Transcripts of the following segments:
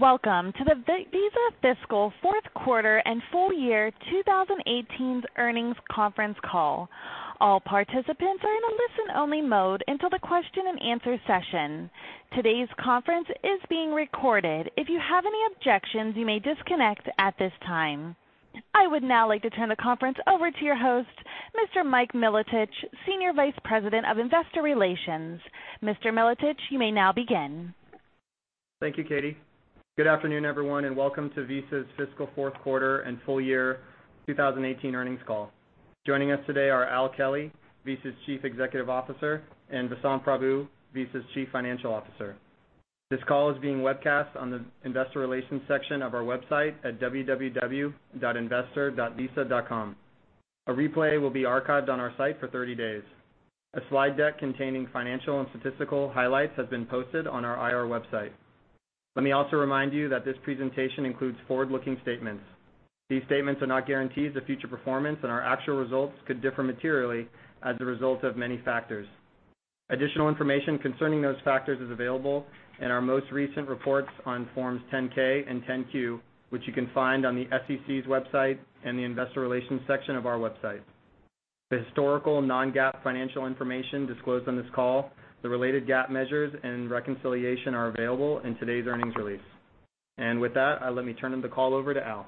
Welcome to the Visa Fiscal Fourth Quarter and Full Year 2018 Earnings Conference Call. All participants are in a listen-only mode until the question and answer session. Today's conference is being recorded. If you have any objections, you may disconnect at this time. I would now like to turn the conference over to your host, Mr. Mike Milotich, Senior Vice President of Investor Relations. Mr. Milotich, you may now begin. Thank you, Katie. Good afternoon, everyone, welcome to Visa's Fiscal Fourth Quarter and Full Year 2018 Earnings Call. Joining us today are Al Kelly, Visa's Chief Executive Officer, and Vasant Prabhu, Visa's Chief Financial Officer. This call is being webcast on the investor relations section of our website at www.investor.visa.com. A replay will be archived on our site for 30 days. A slide deck containing financial and statistical highlights has been posted on our IR website. Let me also remind you that this presentation includes forward-looking statements. These statements are not guarantees of future performance. Our actual results could differ materially as a result of many factors. Additional information concerning those factors is available in our most recent reports on forms 10-K and 10-Q, which you can find on the SEC's website and the investor relations section of our website. The historical non-GAAP financial information disclosed on this call, the related GAAP measures and reconciliation are available in today's earnings release. With that, let me turn the call over to Al.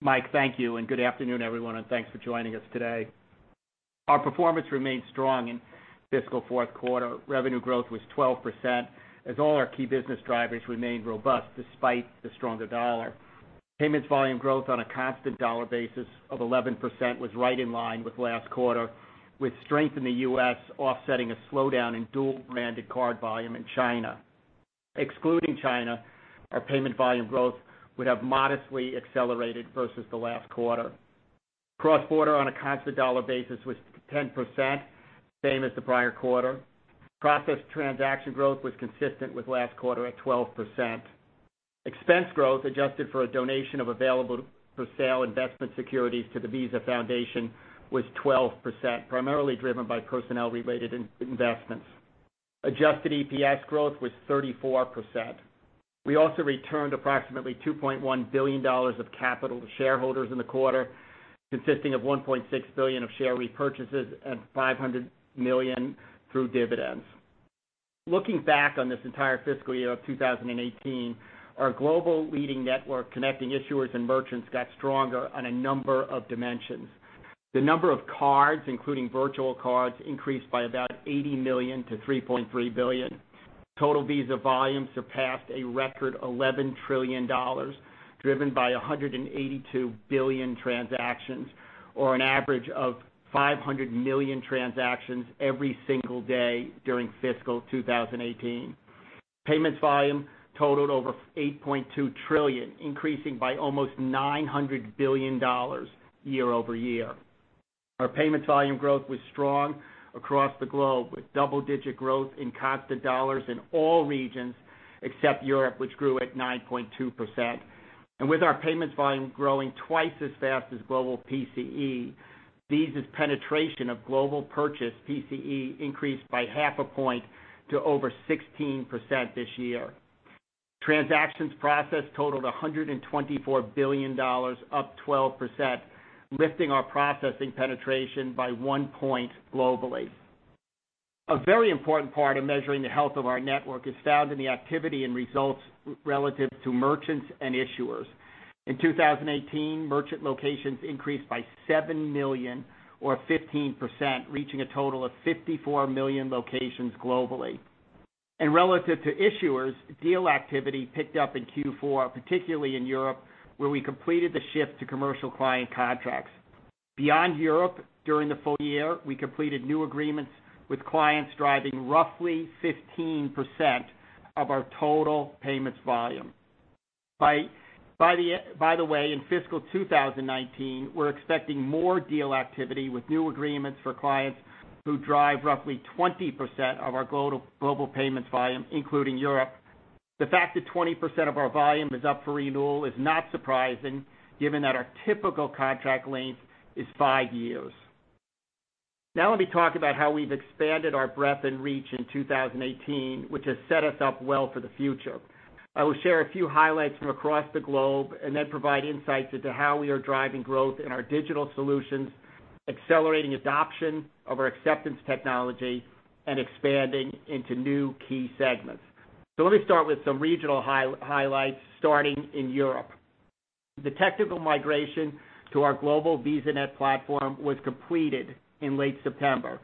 Mike, thank you, and good afternoon, everyone, and thanks for joining us today. Our performance remained strong in fiscal fourth quarter. Revenue growth was 12%, as all our key business drivers remained robust despite the stronger dollar. Payments volume growth on a constant dollar basis of 11% was right in line with last quarter, with strength in the U.S. offsetting a slowdown in dual-branded card volume in China. Excluding China, our payment volume growth would have modestly accelerated versus the last quarter. Cross-border on a constant dollar basis was 10%, same as the prior quarter. Processed transaction growth was consistent with last quarter at 12%. Expense growth, adjusted for a donation of available for sale investment securities to the Visa Foundation, was 12%, primarily driven by personnel-related investments. Adjusted EPS growth was 34%. We also returned approximately $2.1 billion of capital to shareholders in the quarter, consisting of $1.6 billion of share repurchases and $500 million through dividends. Looking back on this entire fiscal year of 2018, our global leading network connecting issuers and merchants got stronger on a number of dimensions. The number of cards, including virtual cards, increased by about 80 million to 3.3 billion. Total Visa volume surpassed a record $11 trillion, driven by 182 billion transactions, or an average of 500 million transactions every single day during fiscal 2018. Payments volume totaled over $8.2 trillion, increasing by almost $900 billion year-over-year. Our payments volume growth was strong across the globe, with double-digit growth in constant dollars in all regions except Europe, which grew at 9.2%. With our payments volume growing twice as fast as global PCE, Visa's penetration of global purchase PCE increased by half a point to over 16% this year. Transactions processed totaled $124 billion, up 12%, lifting our processing penetration by one point globally. A very important part of measuring the health of our network is found in the activity and results relative to merchants and issuers. In 2018, merchant locations increased by seven million, or 15%, reaching a total of 54 million locations globally. Relative to issuers, deal activity picked up in Q4, particularly in Europe, where we completed the shift to commercial client contracts. Beyond Europe, during the full year, we completed new agreements with clients driving roughly 15% of our total payments volume. By the way, in fiscal 2019, we're expecting more deal activity with new agreements for clients who drive roughly 20% of our global payments volume, including Europe. The fact that 20% of our volume is up for renewal is not surprising given that our typical contract length is five years. Let me talk about how we've expanded our breadth and reach in 2018, which has set us up well for the future. I will share a few highlights from across the globe and then provide insights into how we are driving growth in our digital solutions, accelerating adoption of our acceptance technology, and expanding into new key segments. Let me start with some regional highlights, starting in Europe. The technical migration to our global VisaNet platform was completed in late September,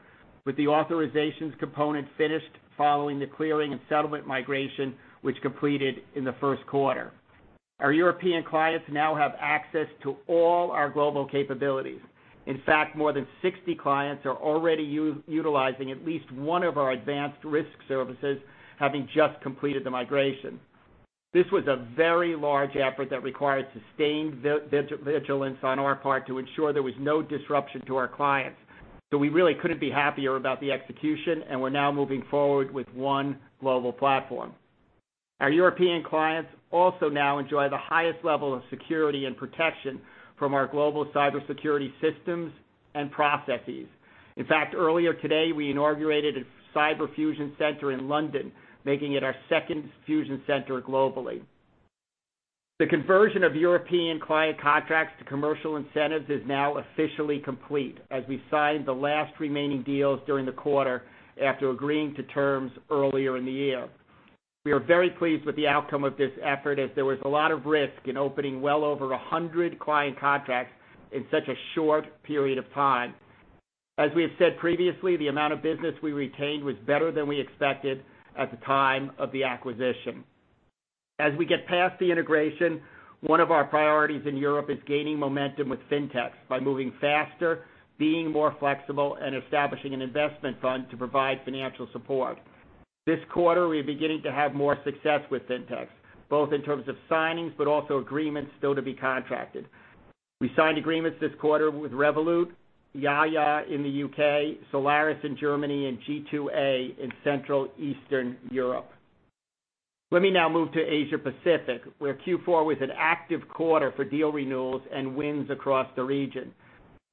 with the authorizations component finished following the clearing and settlement migration, which completed in the first quarter. Our European clients now have access to all our global capabilities. In fact, more than 60 clients are already utilizing at least one of our advanced risk services, having just completed the migration. This was a very large effort that required sustained vigilance on our part to ensure there was no disruption to our clients. We really couldn't be happier about the execution, and we're now moving forward with one global platform. Our European clients also now enjoy the highest level of security and protection from our global cybersecurity systems and processes. In fact, earlier today, we inaugurated a Cyber Fusion Center in London, making it our second fusion center globally. The conversion of European client contracts to commercial incentives is now officially complete as we signed the last remaining deals during the quarter after agreeing to terms earlier in the year. We are very pleased with the outcome of this effort as there was a lot of risk in opening well over 100 client contracts in such a short period of time. As we have said previously, the amount of business we retained was better than we expected at the time of the acquisition. As we get past the integration, one of our priorities in Europe is gaining momentum with fintechs by moving faster, being more flexible, and establishing an investment fund to provide financial support. This quarter, we are beginning to have more success with fintechs, both in terms of signings but also agreements still to be contracted. We signed agreements this quarter with Revolut, Jaja in the U.K., Solaris in Germany, and G2A in Central Eastern Europe. Let me now move to Asia Pacific, where Q4 was an active quarter for deal renewals and wins across the region.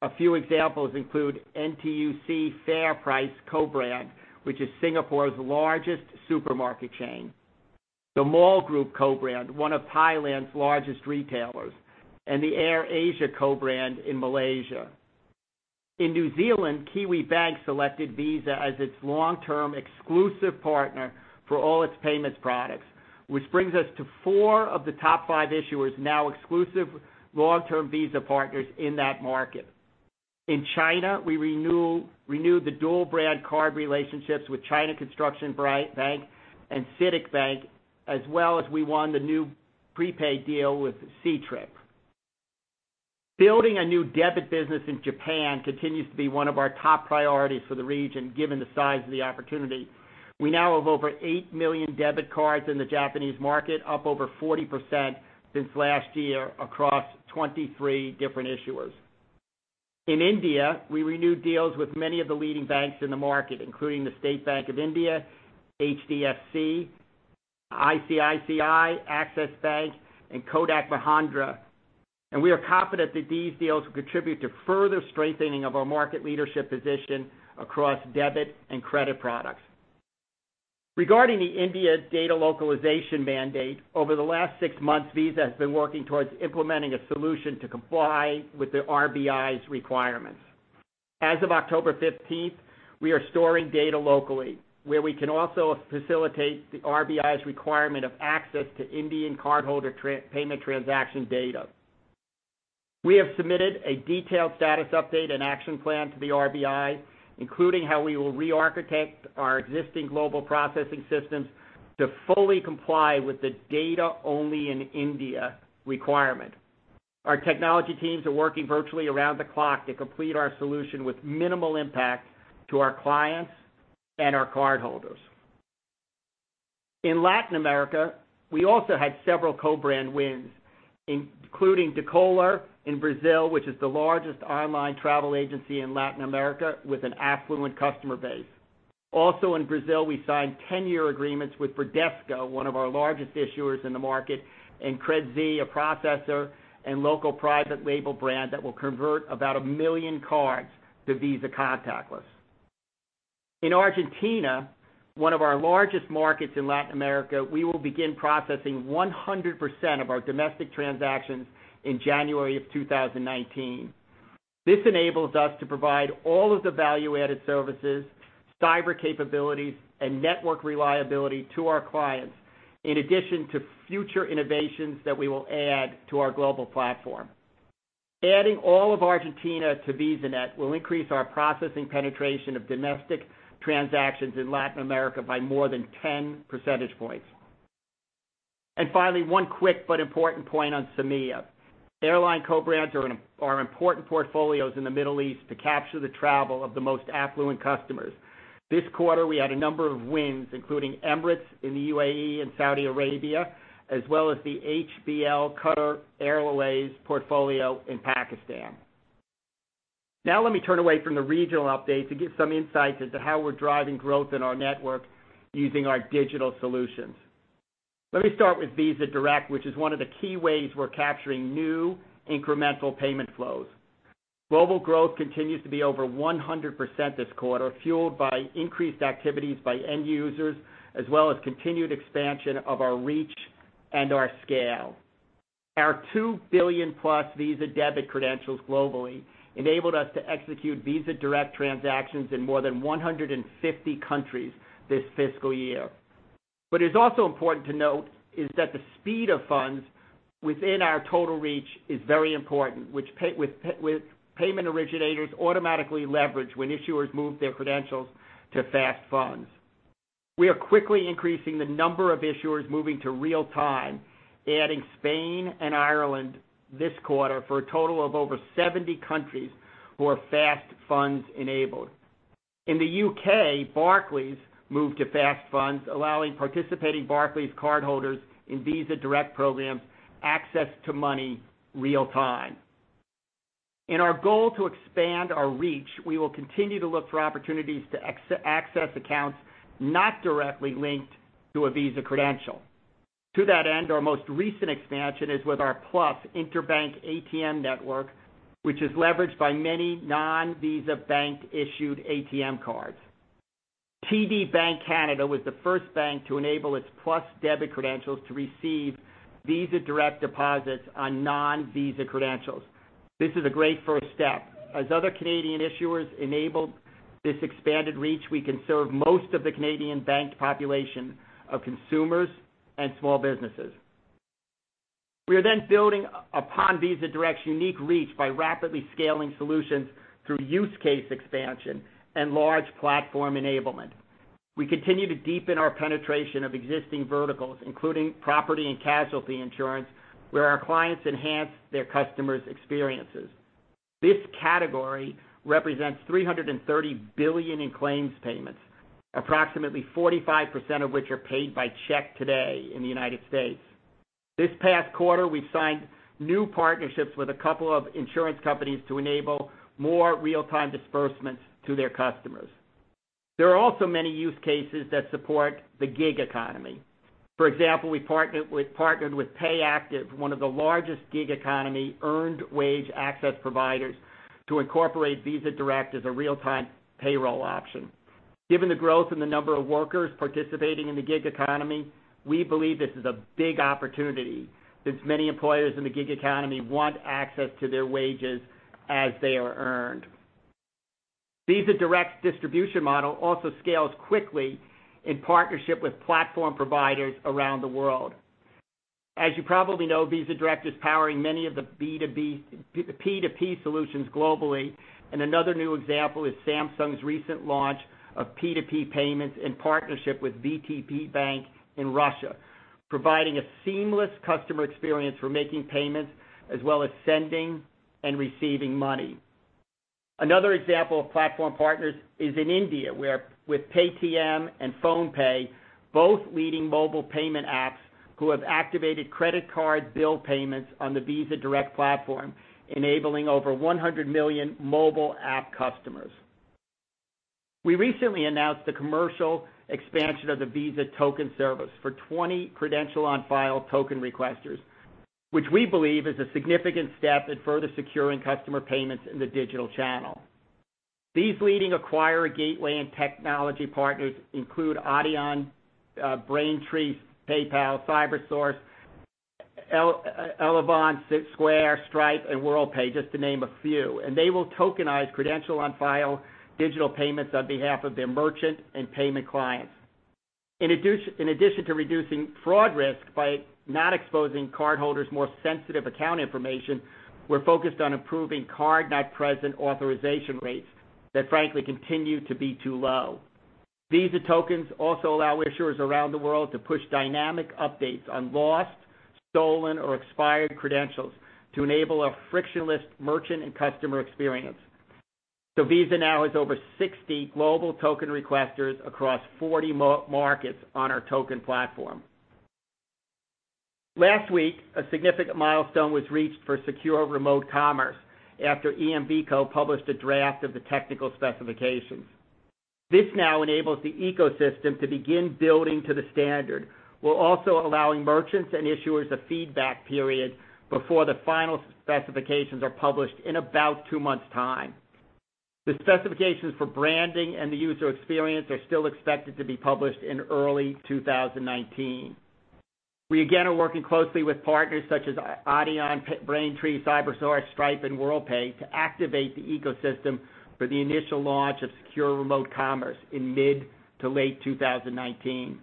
A few examples include NTUC FairPrice co-brand, which is Singapore's largest supermarket chain. The Mall Group co-brand, one of Thailand's largest retailers, and the AirAsia co-brand in Malaysia. In New Zealand, Kiwibank selected Visa as its long-term exclusive partner for all its payments products, which brings us to four of the top five issuers now exclusive long-term Visa partners in that market. In China, we renewed the dual-brand card relationships with China Construction Bank and CITIC Bank, as well as we won the new prepaid deal with Ctrip. Building a new debit business in Japan continues to be one of our top priorities for the region, given the size of the opportunity. We now have over 8 million debit cards in the Japanese market, up over 40% since last year across 23 different issuers. In India, we renewed deals with many of the leading banks in the market, including the State Bank of India, HDFC, ICICI, Axis Bank, and Kotak Mahindra. We are confident that these deals will contribute to further strengthening of our market leadership position across debit and credit products. Regarding the India data localization mandate, over the last six months, Visa has been working towards implementing a solution to comply with the RBI's requirements. As of October 15th, we are storing data locally where we can also facilitate the RBI's requirement of access to Indian cardholder payment transaction data. We have submitted a detailed status update and action plan to the RBI, including how we will rearchitect our existing global processing systems to fully comply with the data-only in India requirement. Our technology teams are working virtually around the clock to complete our solution with minimal impact to our clients and our cardholders. In Latin America, we also had several co-brand wins, including Decolar in Brazil, which is the largest online travel agency in Latin America with an affluent customer base. Also, in Brazil, we signed 10-year agreements with Bradesco, one of our largest issuers in the market, and Credz, a processor and local private label brand that will convert about 1 million cards to Visa contactless. In Argentina, one of our largest markets in Latin America, we will begin processing 100% of our domestic transactions in January of 2019. This enables us to provide all of the value-added services, cyber capabilities, and network reliability to our clients, in addition to future innovations that we will add to our global platform. Adding all of Argentina to VisaNet will increase our processing penetration of domestic transactions in Latin America by more than 10 percentage points. Finally, one quick but important point on CEMEA. Airline co-brands are important portfolios in the Middle East to capture the travel of the most affluent customers. This quarter, we had a number of wins, including Emirates in the UAE and Saudi Arabia, as well as the HBL Qatar Airways portfolio in Pakistan. Let me turn away from the regional updates to give some insights into how we're driving growth in our network using our digital solutions. Let me start with Visa Direct, which is one of the key ways we're capturing new incremental payment flows. Global growth continues to be over 100% this quarter, fueled by increased activities by end users as well as continued expansion of our reach and our scale. Our 2 billion-plus Visa debit credentials globally enabled us to execute Visa Direct transactions in more than 150 countries this fiscal year. What is also important to note is that the speed of funds within our total reach is very important, with payment originators automatically leverage when issuers move their credentials to Fast Funds. We are quickly increasing the number of issuers moving to real time, adding Spain and Ireland this quarter for a total of over 70 countries who are Fast Funds enabled. In the U.K., Barclays moved to Fast Funds, allowing participating Barclays cardholders in Visa Direct programs access to money real time. In our goal to expand our reach, we will continue to look for opportunities to access accounts not directly linked to a Visa credential. To that end, our most recent expansion is with our Plus interbank ATM network, which is leveraged by many non-Visa bank-issued ATM cards. TD Bank Canada was the first bank to enable its Plus debit credentials to receive Visa Direct deposits on non-Visa credentials. This is a great first step. As other Canadian issuers enable this expanded reach, we can serve most of the Canadian bank population of consumers and small businesses. We are building upon Visa Direct's unique reach by rapidly scaling solutions through use case expansion and large platform enablement. We continue to deepen our penetration of existing verticals, including property and casualty insurance, where our clients enhance their customers' experiences. This category represents $330 billion in claims payments, approximately 45% of which are paid by check today in the United States. This past quarter, we've signed new partnerships with a couple of insurance companies to enable more real-time disbursements to their customers. There are also many use cases that support the gig economy. For example, we've partnered with Payactiv, one of the largest gig economy earned wage access providers, to incorporate Visa Direct as a real-time payroll option. Given the growth in the number of workers participating in the gig economy, we believe this is a big opportunity since many employers in the gig economy want access to their wages as they are earned. Visa Direct's distribution model also scales quickly in partnership with platform providers around the world. As you probably know, Visa Direct is powering many of the P2P solutions globally. Another new example is Samsung's recent launch of P2P payments in partnership with VTB Bank in Russia, providing a seamless customer experience for making payments as well as sending and receiving money. Another example of platform partners is in India, where with Paytm and PhonePe, both leading mobile payment apps who have activated credit card bill payments on the Visa Direct platform, enabling over 100 million mobile app customers. We recently announced the commercial expansion of the Visa Token Service for 20 credential-on-file token requesters, which we believe is a significant step in further securing customer payments in the digital channel. These leading acquirer gateway and technology partners include Adyen, Braintree, PayPal, Cybersource, Elavon, Square, Stripe, and Worldpay, just to name a few. They will tokenize credential-on-file digital payments on behalf of their merchant and payment clients. In addition to reducing fraud risk by not exposing cardholders' more sensitive account information, we're focused on improving card-not-present authorization rates that frankly continue to be too low. Visa Tokens also allow issuers around the world to push dynamic updates on lost, stolen, or expired credentials to enable a frictionless merchant and customer experience. Visa now has over 60 global token requesters across 40 markets on our token platform. Last week, a significant milestone was reached for Secure Remote Commerce after EMVCo published a draft of the technical specifications. This now enables the ecosystem to begin building to the standard, while also allowing merchants and issuers a feedback period before the final specifications are published in about two months' time. The specifications for branding and the user experience are still expected to be published in early 2019. We again are working closely with partners such as Adyen, Braintree, Cybersource, Stripe, and Worldpay to activate the ecosystem for the initial launch of Secure Remote Commerce in mid to late 2019.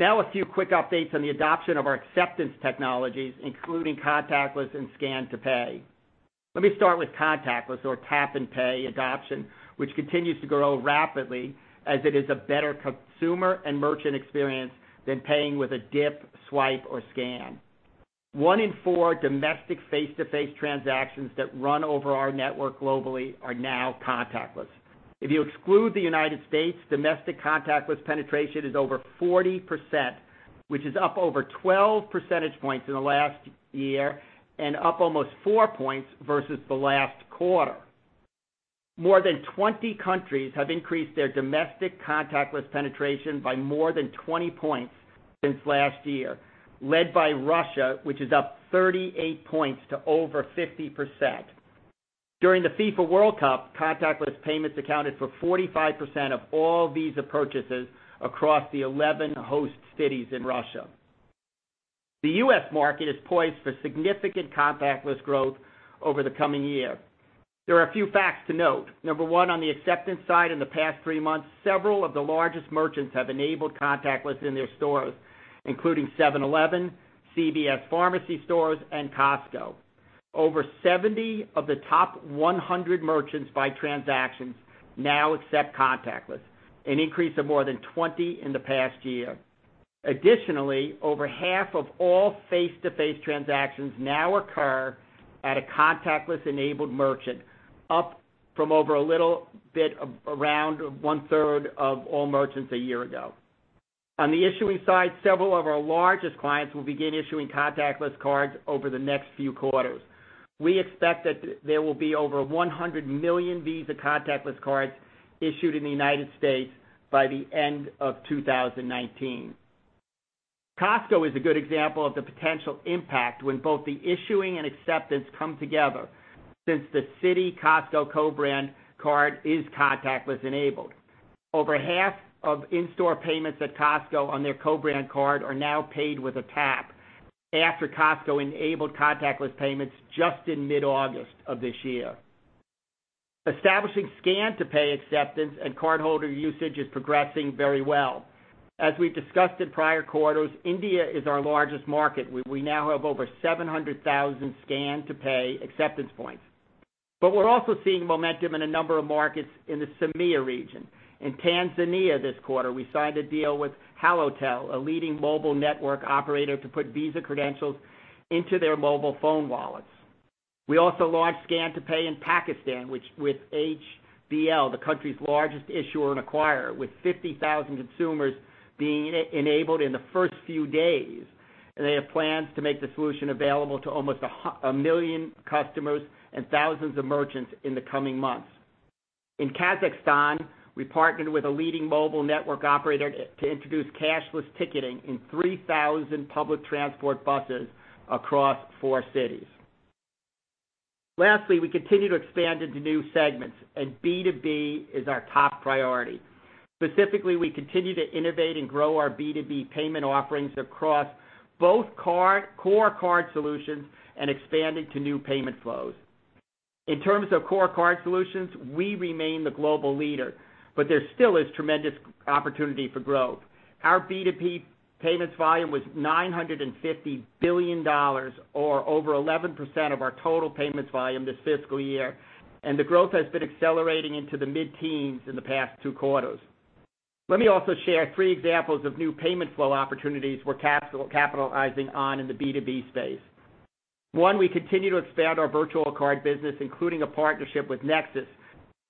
A few quick updates on the adoption of our acceptance technologies, including contactless and scan-to-pay. Let me start with contactless or tap-and-pay adoption, which continues to grow rapidly as it is a better consumer and merchant experience than paying with a dip, swipe, or scan. One in four domestic face-to-face transactions that run over our network globally are now contactless. If you exclude the United States, domestic contactless penetration is over 40%, which is up over 12 percentage points in the last year and up almost four points versus the last quarter. More than 20 countries have increased their domestic contactless penetration by more than 20 points since last year, led by Russia, which is up 38 points to over 50%. During the FIFA World Cup, contactless payments accounted for 45% of all Visa purchases across the 11 host cities in Russia. The U.S. market is poised for significant contactless growth over the coming year. There are a few facts to note. Number one, on the acceptance side, in the past three months, several of the largest merchants have enabled contactless in their stores, including 7-Eleven, CVS Pharmacy stores, and Costco. Over 70 of the top 100 merchants by transactions now accept contactless, an increase of more than 20 in the past year. Additionally, over half of all face-to-face transactions now occur at a contactless-enabled merchant, up from over a little bit around one-third of all merchants a year ago. On the issuing side, several of our largest clients will begin issuing contactless cards over the next few quarters. We expect that there will be over 100 million Visa contactless cards issued in the U.S. by the end of 2019. Costco is a good example of the potential impact when both the issuing and acceptance come together, since the Citi Costco co-brand card is contactless enabled. Over half of in-store payments at Costco on their co-brand card are now paid with a tap after Costco enabled contactless payments just in mid-August of this year. Establishing scan-to-pay acceptance and cardholder usage is progressing very well. As we've discussed in prior quarters, India is our largest market. We now have over 700,000 scan-to-pay acceptance points. We're also seeing momentum in a number of markets in the CEMEA region. In Tanzania this quarter, we signed a deal with Halotel, a leading mobile network operator, to put Visa credentials into their mobile phone wallets. We also launched scan-to-pay in Pakistan, with HBL, the country's largest issuer and acquirer, with 50,000 consumers being enabled in the first few days. They have plans to make the solution available to almost 1 million customers and thousands of merchants in the coming months. In Kazakhstan, we partnered with a leading mobile network operator to introduce cashless ticketing in 3,000 public transport buses across four cities. Lastly, we continue to expand into new segments. B2B is our top priority. Specifically, we continue to innovate and grow our B2B payment offerings across both core card solutions and expanding to new payment flows. In terms of core card solutions, we remain the global leader. There still is tremendous opportunity for growth. Our B2B payments volume was $950 billion, or over 11% of our total payments volume this fiscal year. The growth has been accelerating into the mid-teens in the past two quarters. Let me also share three examples of new payment flow opportunities we're capitalizing on in the B2B space. One, we continue to expand our virtual card business, including a partnership with Nexus,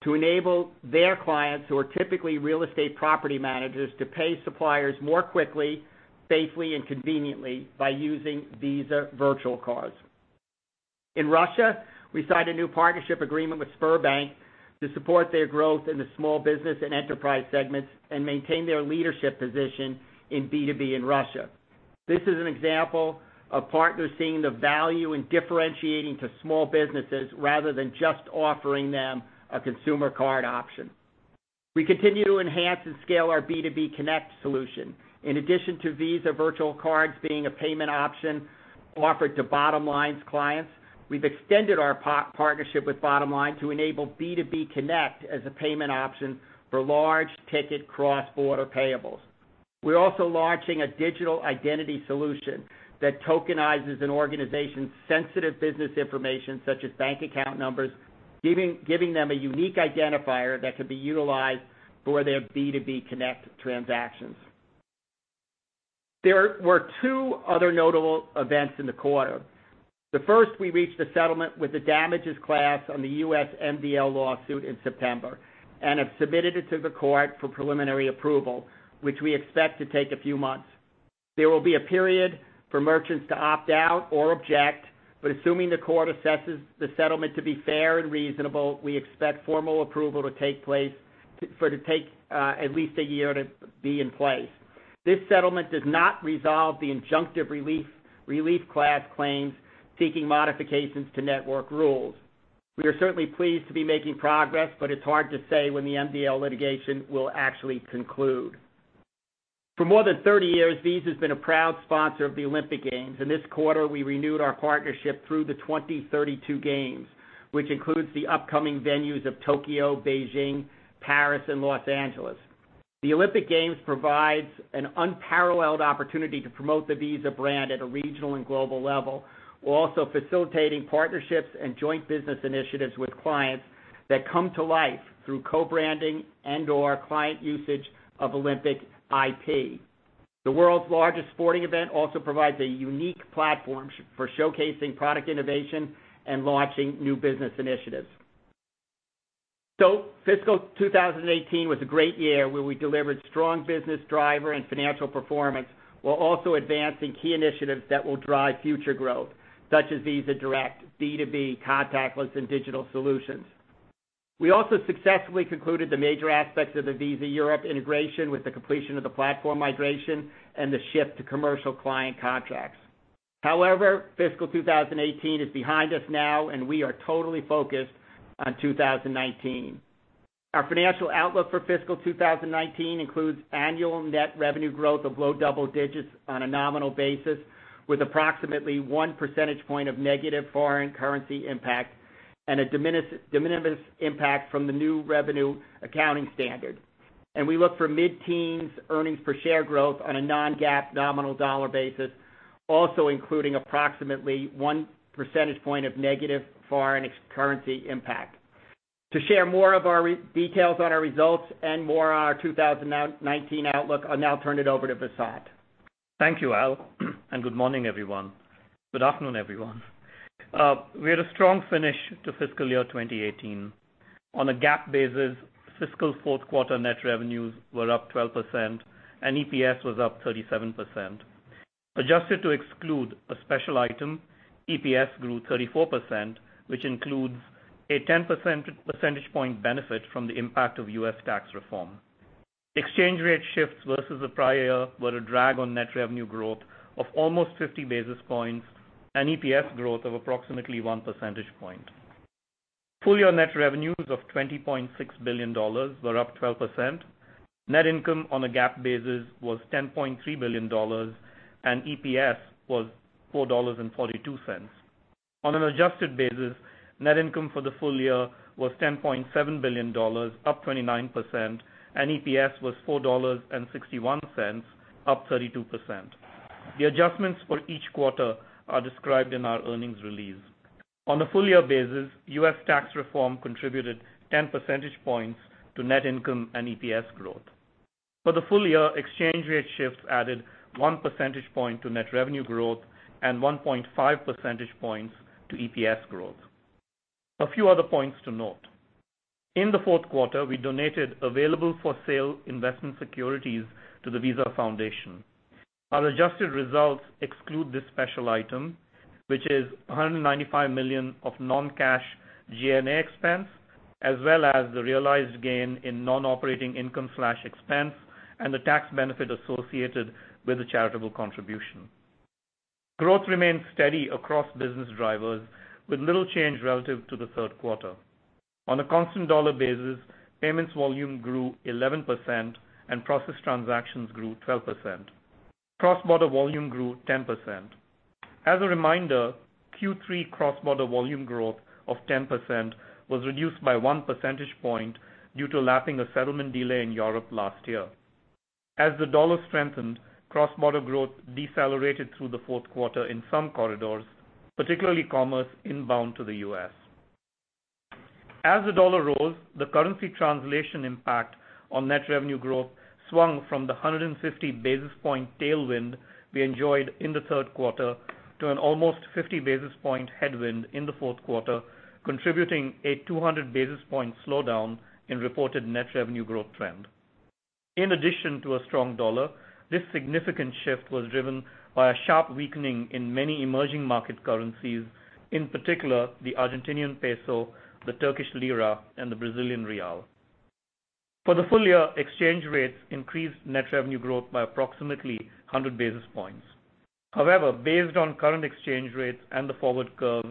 to enable their clients, who are typically real estate property managers, to pay suppliers more quickly, safely, and conveniently by using Visa virtual cards. In Russia, we signed a new partnership agreement with Sberbank to support their growth in the small business and enterprise segments and maintain their leadership position in B2B in Russia. This is an example of partners seeing the value in differentiating to small businesses rather than just offering them a consumer card option. We continue to enhance and scale our Visa B2B Connect solution. In addition to Visa virtual cards being a payment option offered to Bottomline's clients, we've extended our partnership with Bottomline to enable Visa B2B Connect as a payment option for large-ticket cross-border payables. We're also launching a digital identity solution that tokenizes an organization's sensitive business information such as bank account numbers, giving them a unique identifier that can be utilized for their Visa B2B Connect transactions. There were two other notable events in the quarter. First, we reached a settlement with the damages class on the U.S. MDL lawsuit in September and have submitted it to the court for preliminary approval, which we expect to take a few months. There will be a period for merchants to opt out or object, but assuming the court assesses the settlement to be fair and reasonable, we expect formal approval to take at least a year to be in place. This settlement does not resolve the injunctive relief class claims seeking modifications to network rules. We are certainly pleased to be making progress, but it's hard to say when the MDL litigation will actually conclude. For more than 30 years, Visa's been a proud sponsor of the Olympic Games, and this quarter we renewed our partnership through the 2032 Games, which includes the upcoming venues of Tokyo, Beijing, Paris, and Los Angeles. The Olympic Games provides an unparalleled opportunity to promote the Visa brand at a regional and global level, while also facilitating partnerships and joint business initiatives with clients that come to life through co-branding and/or client usage of Olympic IP. The world's largest sporting event also provides a unique platform for showcasing product innovation and launching new business initiatives. Fiscal 2018 was a great year where we delivered strong business driver and financial performance, while also advancing key initiatives that will drive future growth, such as Visa Direct, B2B, contactless, and digital solutions. We also successfully concluded the major aspects of the Visa Europe integration with the completion of the platform migration and the shift to commercial client contracts. Fiscal 2018 is behind us now, and we are totally focused on 2019. Our financial outlook for fiscal 2019 includes annual net revenue growth of low double digits on a nominal basis, with approximately one percentage point of negative foreign currency impact and a de minimis impact from the new revenue accounting standard. We look for mid-teens earnings per share growth on a non-GAAP nominal dollar basis, also including approximately one percentage point of negative foreign currency impact. To share more of our details on our results and more on our 2019 outlook, I'll now turn it over to Vasant. Thank you, Al, and good morning, everyone. Good afternoon, everyone. We had a strong finish to fiscal year 2018. On a GAAP basis, fiscal fourth quarter net revenues were up 12%, and EPS was up 37%. Adjusted to exclude a special item, EPS grew 34%, which includes a 10 percentage point benefit from the impact of U.S. tax reform. Exchange rate shifts versus the prior year were a drag on net revenue growth of almost 50 basis points and EPS growth of approximately one percentage point. Full-year net revenues of $20.6 billion were up 12%. Net income on a GAAP basis was $10.3 billion, and EPS was $4.42. On an adjusted basis, net income for the full year was $10.7 billion, up 29%, and EPS was $4.61, up 32%. The adjustments for each quarter are described in our earnings release. On a full-year basis, U.S. tax reform contributed 10 percentage points to net income and EPS growth. For the full year, exchange rate shifts added one percentage point to net revenue growth and 1.5 percentage points to EPS growth. A few other points to note. In the fourth quarter, we donated available-for-sale investment securities to the Visa Foundation. Our adjusted results exclude this special item, which is $195 million of non-cash G&A expense, as well as the realized gain in non-operating income/expense and the tax benefit associated with the charitable contribution. Growth remains steady across business drivers, with little change relative to the third quarter. On a constant dollar basis, payments volume grew 11%, and processed transactions grew 12%. Cross-border volume grew 10%. As a reminder, Q3 cross-border volume growth of 10% was reduced by one percentage point due to lapping a settlement delay in Europe last year. As the dollar strengthened, cross-border growth decelerated through the fourth quarter in some corridors, particularly commerce inbound to the U.S. As the dollar rose, the currency translation impact on net revenue growth swung from the 150-basis point tailwind we enjoyed in the third quarter to an almost 50-basis point headwind in the fourth quarter, contributing a 200-basis point slowdown in reported net revenue growth trend. In addition to a strong dollar, this significant shift was driven by a sharp weakening in many emerging market currencies, in particular, the Argentinian peso, the Turkish lira, and the Brazilian real. For the full year, exchange rates increased net revenue growth by approximately 100 basis points. However, based on current exchange rates and the forward curve,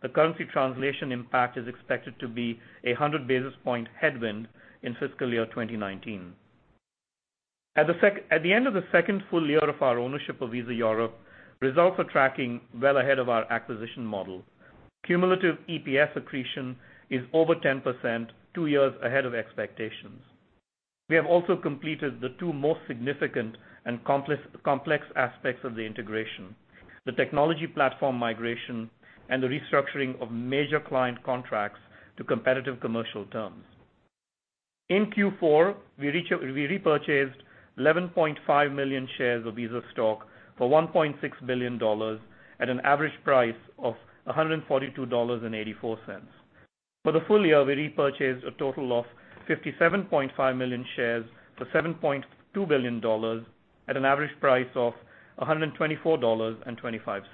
the currency translation impact is expected to be a 100-basis point headwind in fiscal year 2019. At the end of the second full year of our ownership of Visa Europe, results are tracking well ahead of our acquisition model. Cumulative EPS accretion is over 10%, two years ahead of expectations. We have also completed the two most significant and complex aspects of the integration, the technology platform migration and the restructuring of major client contracts to competitive commercial terms. In Q4, we repurchased 11.5 million shares of Visa stock for $1.6 billion at an average price of $142.84. For the full year, we repurchased a total of 57.5 million shares for $7.2 billion at an average price of $124.25.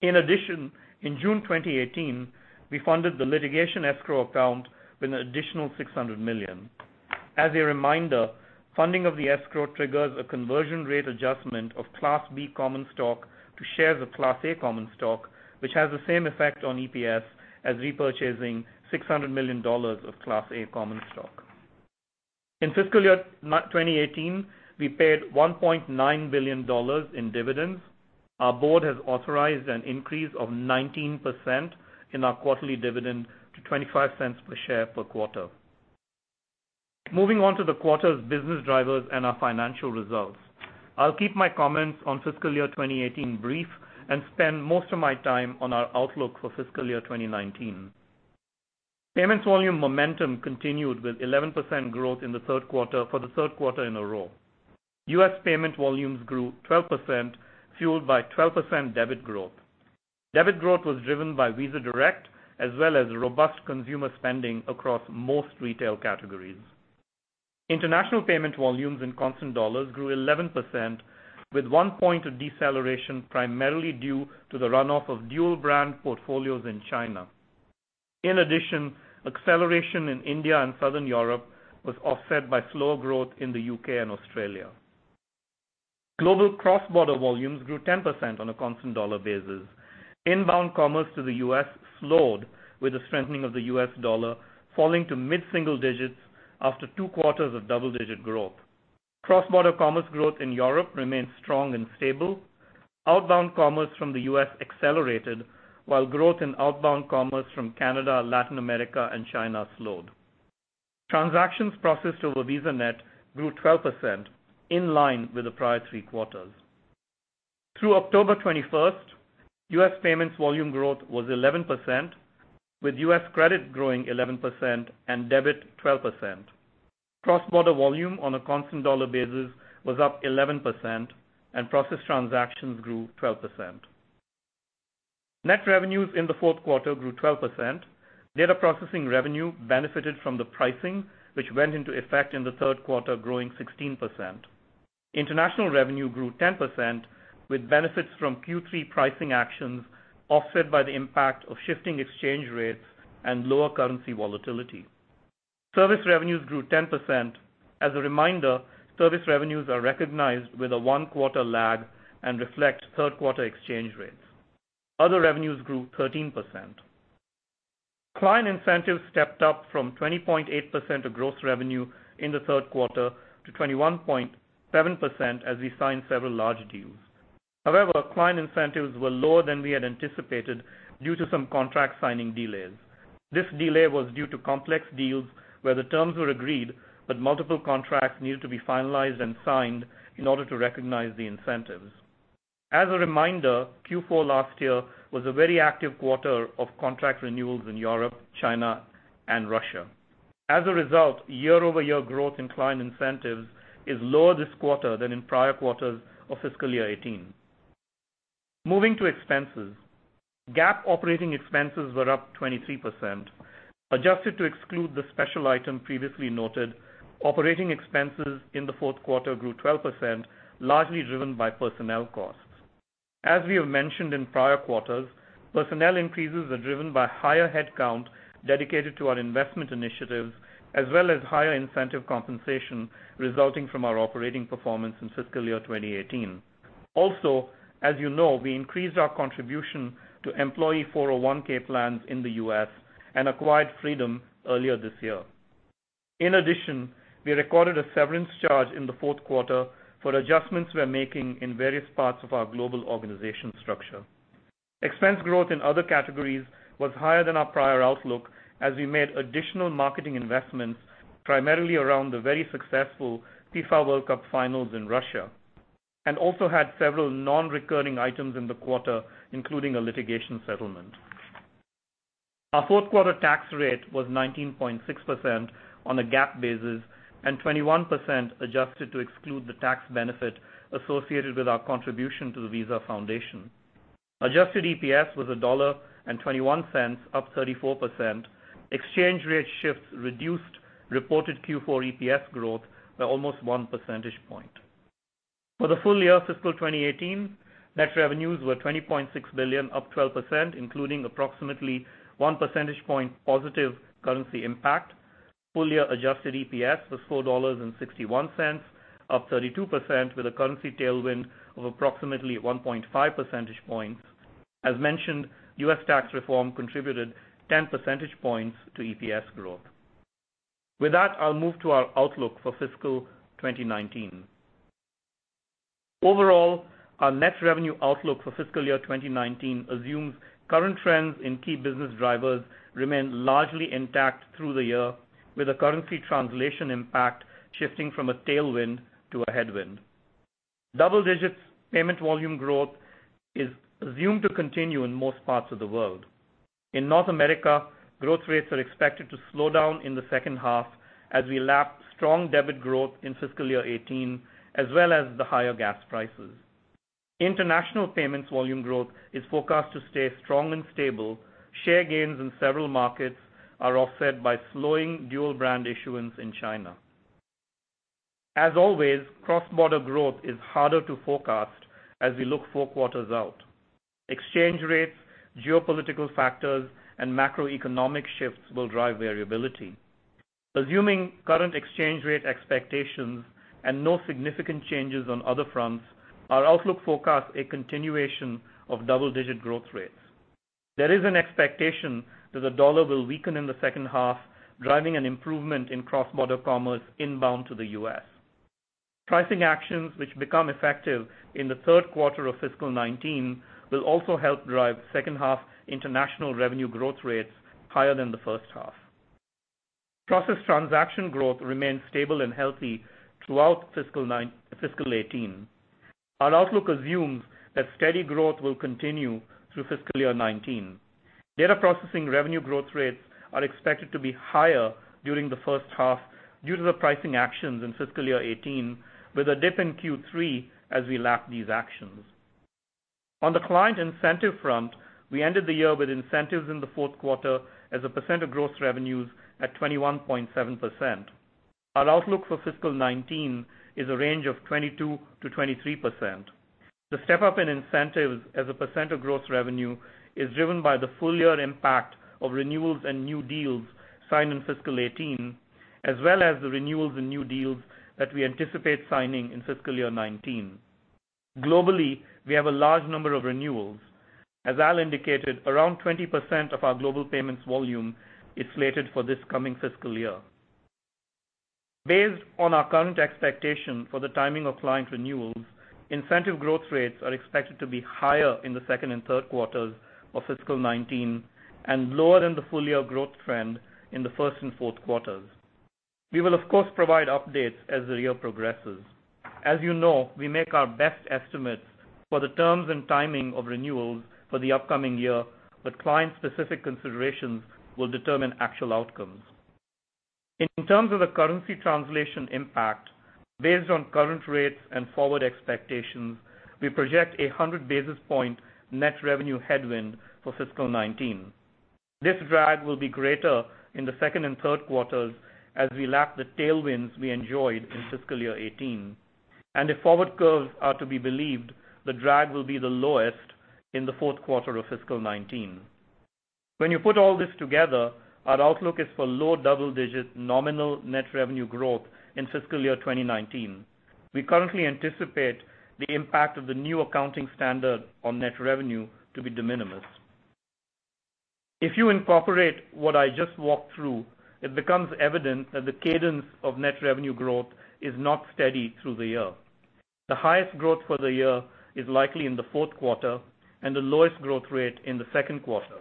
In addition, in June 2018, we funded the litigation escrow account with an additional $600 million. As a reminder, funding of the escrow triggers a conversion rate adjustment of Class B common stock to shares of Class A common stock, which has the same effect on EPS as repurchasing $600 million of Class A common stock. In fiscal year 2018, we paid $1.9 billion in dividends. Our board has authorized an increase of 19% in our quarterly dividend to $0.25 per share per quarter. Moving on to the quarter's business drivers and our financial results. I'll keep my comments on fiscal year 2018 brief and spend most of my time on our outlook for fiscal year 2019. Payments volume momentum continued with 11% growth for the third quarter in a row. U.S. payment volumes grew 12%, fueled by 12% debit growth. Debit growth was driven by Visa Direct, as well as robust consumer spending across most retail categories. International payment volumes in constant dollars grew 11%, with one point of deceleration primarily due to the runoff of dual-brand portfolios in China. In addition, acceleration in India and Southern Europe was offset by slower growth in the U.K. and Australia. Global cross-border volumes grew 10% on a constant dollar basis. Inbound commerce to the U.S. slowed with the strengthening of the U.S. dollar, falling to mid-single digits after two quarters of double-digit growth. Cross-border commerce growth in Europe remained strong and stable. Outbound commerce from the U.S. accelerated while growth in outbound commerce from Canada, Latin America, and China slowed. Transactions processed over VisaNet grew 12%, in line with the prior three quarters. Through October 21st, U.S. payments volume growth was 11%, with U.S. credit growing 11% and debit 12%. Cross-border volume on a constant dollar basis was up 11%, and processed transactions grew 12%. Net revenues in the fourth quarter grew 12%. Data processing revenue benefited from the pricing, which went into effect in the third quarter, growing 16%. International revenue grew 10%, with benefits from Q3 pricing actions offset by the impact of shifting exchange rates and lower currency volatility. Service revenues grew 10%. As a reminder, service revenues are recognized with a one-quarter lag and reflect third-quarter exchange rates. Other revenues grew 13%. Client incentives stepped up from 20.8% of gross revenue in the third quarter to 21.7% as we signed several large deals. However, client incentives were lower than we had anticipated due to some contract signing delays. This delay was due to complex deals where the terms were agreed but multiple contracts needed to be finalized and signed in order to recognize the incentives. As a reminder, Q4 last year was a very active quarter of contract renewals in Europe, China, and Russia. As a result, year-over-year growth in client incentives is lower this quarter than in prior quarters of fiscal year 2018. Moving to expenses. GAAP operating expenses were up 23%. Adjusted to exclude the special item previously noted, operating expenses in the fourth quarter grew 12%, largely driven by personnel costs. As we have mentioned in prior quarters, personnel increases are driven by higher headcount dedicated to our investment initiatives, as well as higher incentive compensation resulting from our operating performance in fiscal year 2018. Also, as you know, we increased our contribution to employee 401(k) plans in the U.S. and acquired Fraedom earlier this year. In addition, we recorded a severance charge in the fourth quarter for adjustments we're making in various parts of our global organization structure. Expense growth in other categories was higher than our prior outlook as we made additional marketing investments primarily around the very successful FIFA World Cup finals in Russia, and also had several non-recurring items in the quarter, including a litigation settlement. Our fourth-quarter tax rate was 19.6% on a GAAP basis and 21% adjusted to exclude the tax benefit associated with our contribution to the Visa Foundation. Adjusted EPS was $1.21, up 34%. Exchange rate shifts reduced reported Q4 EPS growth by almost one percentage point. For the full year fiscal 2018, net revenues were $20.6 billion, up 12%, including approximately one percentage point positive currency impact. Full-year adjusted EPS was $4.61, up 32%, with a currency tailwind of approximately 1.5 percentage points. As mentioned, U.S. tax reform contributed 10 percentage points to EPS growth. With that, I'll move to our outlook for fiscal 2019. Overall, our net revenue outlook for fiscal year 2019 assumes current trends in key business drivers remain largely intact through the year, with a currency translation impact shifting from a tailwind to a headwind. Double-digit payment volume growth is assumed to continue in most parts of the world. In North America, growth rates are expected to slow down in the second half as we lap strong debit growth in fiscal year 2018, as well as the higher gas prices. International payments volume growth is forecast to stay strong and stable. Share gains in several markets are offset by slowing dual-brand issuance in China. As always, cross-border growth is harder to forecast as we look four quarters out. Exchange rates, geopolitical factors, and macroeconomic shifts will drive variability. Assuming current exchange rate expectations and no significant changes on other fronts, our outlook forecasts a continuation of double-digit growth rates. There is an expectation that the dollar will weaken in the second half, driving an improvement in cross-border commerce inbound to the U.S. Pricing actions which become effective in the third quarter of fiscal year 2019 will also help drive second-half international revenue growth rates higher than the first half. Process transaction growth remained stable and healthy throughout fiscal year 2018. Our outlook assumes that steady growth will continue through fiscal year 2019. Data processing revenue growth rates are expected to be higher during the first half due to the pricing actions in fiscal year 2018, with a dip in Q3 as we lap these actions. On the client incentive front, we ended the year with incentives in the fourth quarter as a percent of gross revenues at 21.7%. Our outlook for fiscal year 2019 is a range of 22%-23%. The step-up in incentives as a percent of gross revenue is driven by the full-year impact of renewals and new deals signed in fiscal year 2018, as well as the renewals and new deals that we anticipate signing in fiscal year 2019. Globally, we have a large number of renewals. As Al indicated, around 20% of our global payments volume is slated for this coming fiscal year. Based on our current expectation for the timing of client renewals, incentive growth rates are expected to be higher in the second and third quarters of fiscal year 2019 and lower than the full-year growth trend in the first and fourth quarters. We will, of course, provide updates as the year progresses. As you know, we make our best estimates for the terms and timing of renewals for the upcoming year, but client-specific considerations will determine actual outcomes. In terms of the currency translation impact, based on current rates and forward expectations, we project a 100-basis-point net revenue headwind for fiscal year 2019. This drag will be greater in the second and third quarters as we lap the tailwinds we enjoyed in fiscal year 2018. If forward curves are to be believed, the drag will be the lowest in the fourth quarter of fiscal year 2019. When you put all this together, our outlook is for low double-digit nominal net revenue growth in fiscal year 2019. We currently anticipate the impact of the new accounting standard on net revenue to be de minimis. If you incorporate what I just walked through, it becomes evident that the cadence of net revenue growth is not steady through the year. The highest growth for the year is likely in the fourth quarter and the lowest growth rate in the second quarter.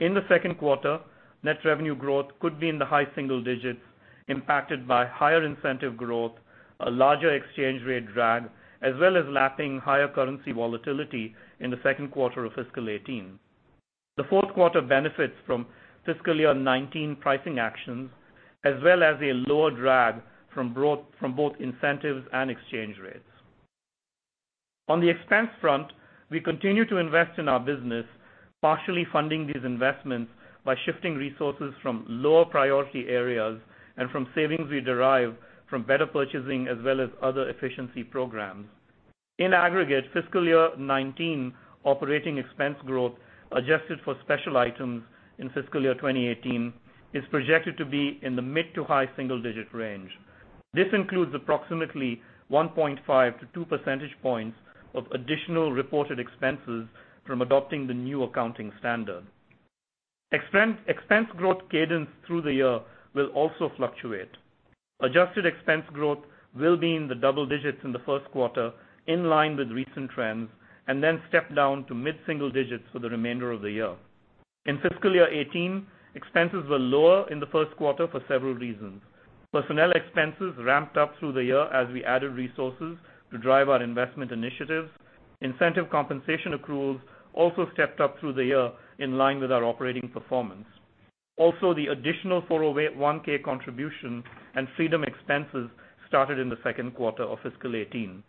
In the second quarter, net revenue growth could be in the high single digits, impacted by higher incentive growth, a larger exchange rate drag, as well as lapping higher currency volatility in the second quarter of fiscal 2018. The fourth quarter benefits from fiscal year 2019 pricing actions as well as a lower drag from both incentives and exchange rates. On the expense front, we continue to invest in our business, partially funding these investments by shifting resources from lower priority areas and from savings we derive from better purchasing as well as other efficiency programs. In aggregate, fiscal year 2019 operating expense growth adjusted for special items in fiscal year 2018 is projected to be in the mid to high single digit range. This includes approximately 1.5 to 2 percentage points of additional reported expenses from adopting the new accounting standard. Expense growth cadence through the year will also fluctuate. Adjusted expense growth will be in the double digits in the first quarter, in line with recent trends, and then step down to mid-single digits for the remainder of the year. In fiscal year 2018, expenses were lower in the first quarter for several reasons. Personnel expenses ramped up through the year as we added resources to drive our investment initiatives. Incentive compensation accruals also stepped up through the year in line with our operating performance. Also, the additional 401(k) contribution and Fraedom expenses started in the second quarter of fiscal 2018.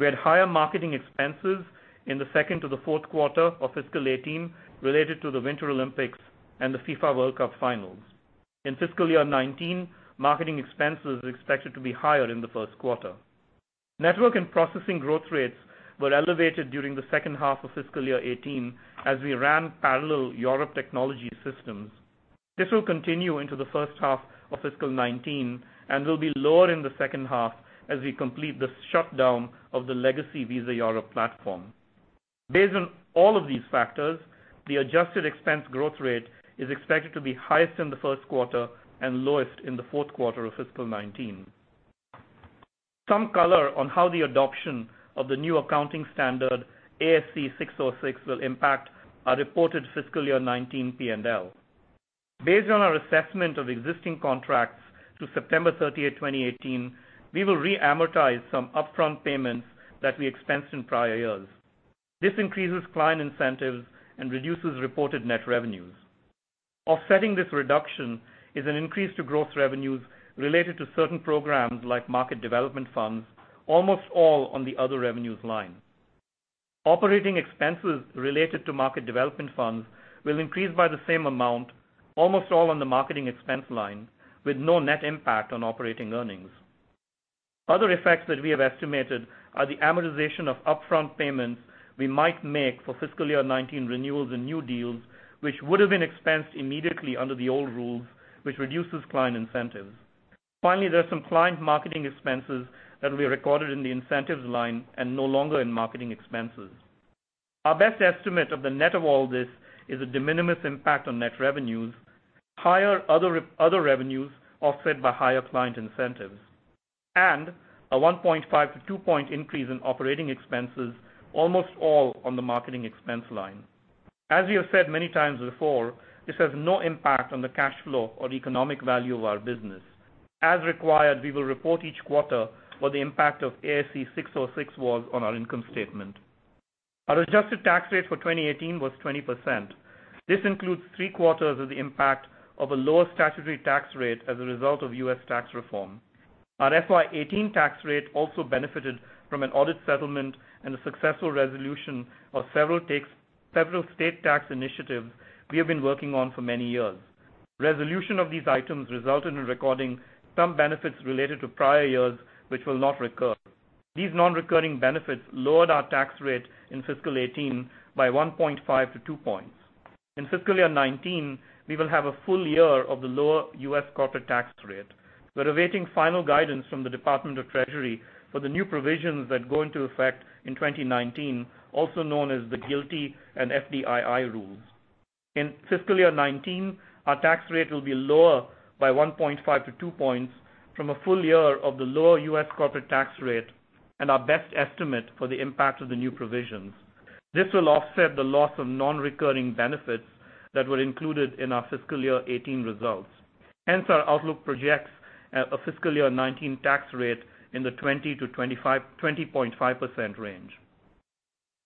We had higher marketing expenses in the second to the fourth quarter of fiscal 2018 related to the Winter Olympic Games and the FIFA World Cup finals. In fiscal year 2019, marketing expenses are expected to be higher in the first quarter. Network and processing growth rates were elevated during the second half of fiscal year 2018 as we ran parallel Europe technology systems. This will continue into the first half of fiscal 2019 and will be lower in the second half as we complete the shutdown of the legacy Visa Europe platform. Based on all of these factors, the adjusted expense growth rate is expected to be highest in the first quarter and lowest in the fourth quarter of fiscal 2019. Some color on how the adoption of the new accounting standard, ASC 606, will impact our reported fiscal year 2019 P&L. Based on our assessment of existing contracts through September 30, 2018, we will reamortize some upfront payments that we expensed in prior years. This increases client incentives and reduces reported net revenues. Offsetting this reduction is an increase to gross revenues related to certain programs like market development funds, almost all on the other revenues line. Operating expenses related to market development funds will increase by the same amount, almost all on the marketing expense line, with no net impact on operating earnings. Other effects that we have estimated are the amortization of upfront payments we might make for fiscal year 2019 renewals and new deals, which would have been expensed immediately under the old rules, which reduces client incentives. Finally, there are some client marketing expenses that will be recorded in the incentives line and no longer in marketing expenses. Our best estimate of the net of all this is a de minimis impact on net revenues, higher other revenues offset by higher client incentives, and a 1.5-2 point increase in operating expenses, almost all on the marketing expense line. As we have said many times before, this has no impact on the cash flow or economic value of our business. As required, we will report each quarter what the impact of ASC 606 was on our income statement. Our adjusted tax rate for 2018 was 20%. This includes three quarters of the impact of a lower statutory tax rate as a result of U.S. tax reform. Our FY 2018 tax rate also benefited from an audit settlement and a successful resolution of several state tax initiatives we have been working on for many years. Resolution of these items resulted in recording some benefits related to prior years, which will not recur. These non-recurring benefits lowered our tax rate in fiscal 2018 by 1.5-2 points. In fiscal year 2019, we will have a full year of the lower U.S. corporate tax rate. We're awaiting final guidance from the U.S. Department of the Treasury for the new provisions that go into effect in 2019, also known as the GILTI and FDII rules. In fiscal year 2019, our tax rate will be lower by 1.5-2 points from a full year of the lower U.S. corporate tax rate and our best estimate for the impact of the new provisions. This will offset the loss of non-recurring benefits that were included in our fiscal year 2018 results. Our outlook projects a fiscal year 2019 tax rate in the 20%-20.5% range.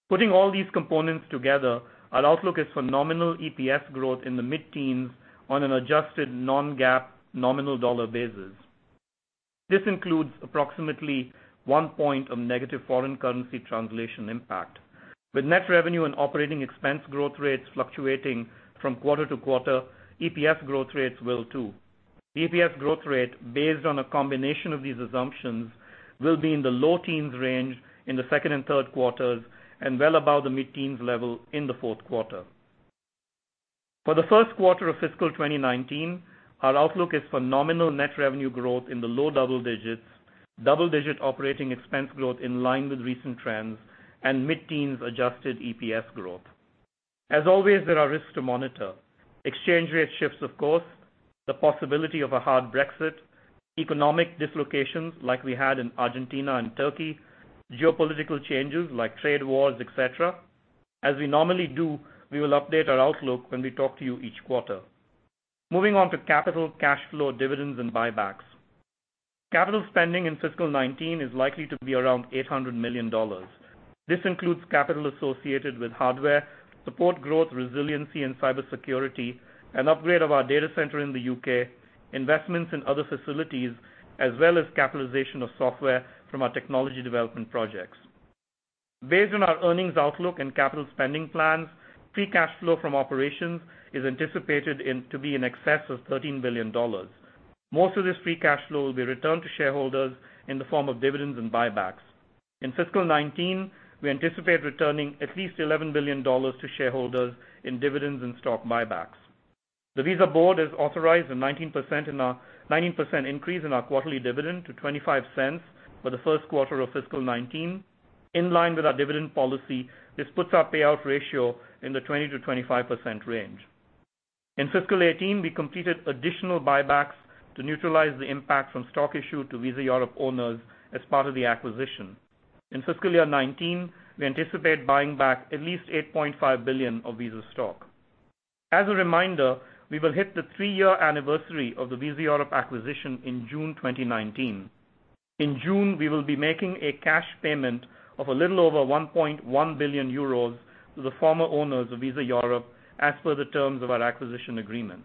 Putting all these components together, our outlook is for nominal EPS growth in the mid-teens on an adjusted non-GAAP nominal dollar basis. This includes approximately one point of negative foreign currency translation impact. With net revenue and operating expense growth rates fluctuating from quarter to quarter, EPS growth rates will too. EPS growth rate based on a combination of these assumptions will be in the low teens range in the second and third quarters and well above the mid-teens level in the fourth quarter. For the first quarter of fiscal 2019, our outlook is for nominal net revenue growth in the low double digits, double-digit operating expense growth in line with recent trends, and mid-teens adjusted EPS growth. As always, there are risks to monitor. Exchange rate shifts, of course, the possibility of a hard Brexit, economic dislocations like we had in Argentina and Turkey, geopolitical changes like trade wars, et cetera. As we normally do, we will update our outlook when we talk to you each quarter. Moving on to capital, cash flow, dividends, and buybacks. Capital spending in fiscal 2019 is likely to be around $800 million. This includes capital associated with hardware, support growth, resiliency, and cybersecurity, an upgrade of our data center in the U.K., investments in other facilities, as well as capitalization of software from our technology development projects. Based on our earnings outlook and capital spending plans, free cash flow from operations is anticipated to be in excess of $13 billion. Most of this free cash flow will be returned to shareholders in the form of dividends and buybacks. In fiscal 2019, we anticipate returning at least $11 billion to shareholders in dividends and stock buybacks. The Visa board has authorized a 19% increase in our quarterly dividend to $0.25 for the first quarter of fiscal 2019. In line with our dividend policy, this puts our payout ratio in the 20%-25% range. In fiscal 2018, we completed additional buybacks to neutralize the impact from stock issue to Visa Europe owners as part of the acquisition. In fiscal year 2019, we anticipate buying back at least $8.5 billion of Visa stock. As a reminder, we will hit the three-year anniversary of the Visa Europe acquisition in June 2019. In June, we will be making a cash payment of a little over €1.1 billion to the former owners of Visa Europe as per the terms of our acquisition agreement.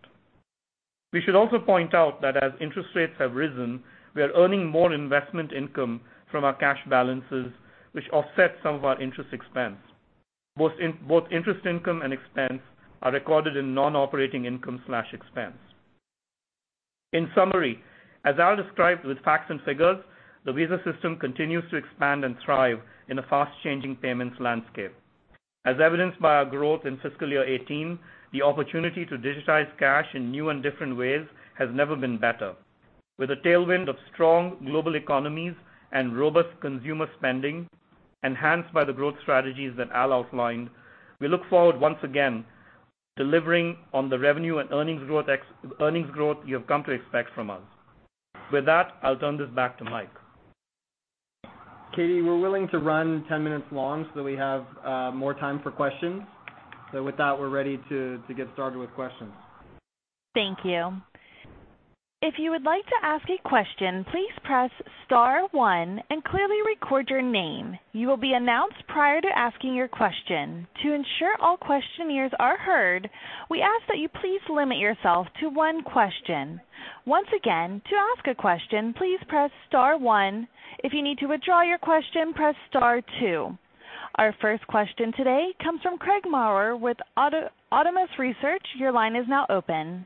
We should also point out that as interest rates have risen, we are earning more investment income from our cash balances, which offset some of our interest expense. Both interest income and expense are recorded in non-operating income/expense. In summary, as Al described with facts and figures, the Visa system continues to expand and thrive in a fast-changing payments landscape. As evidenced by our growth in fiscal year 2018, the opportunity to digitize cash in new and different ways has never been better. With a tailwind of strong global economies and robust consumer spending, enhanced by the growth strategies that Al outlined, we look forward once again to delivering on the revenue and earnings growth you have come to expect from us. I'll turn this back to Mike. Katie, we're willing to run 10 minutes long so that we have more time for questions. With that, we're ready to get started with questions. Thank you. If you would like to ask a question, please press *1 and clearly record your name. You will be announced prior to asking your question. To ensure all questioners are heard, we ask that you please limit yourself to one question. Once again, to ask a question, please press *1. If you need to withdraw your question, press *2. Our first question today comes from Craig Maurer with Autonomous Research. Your line is now open.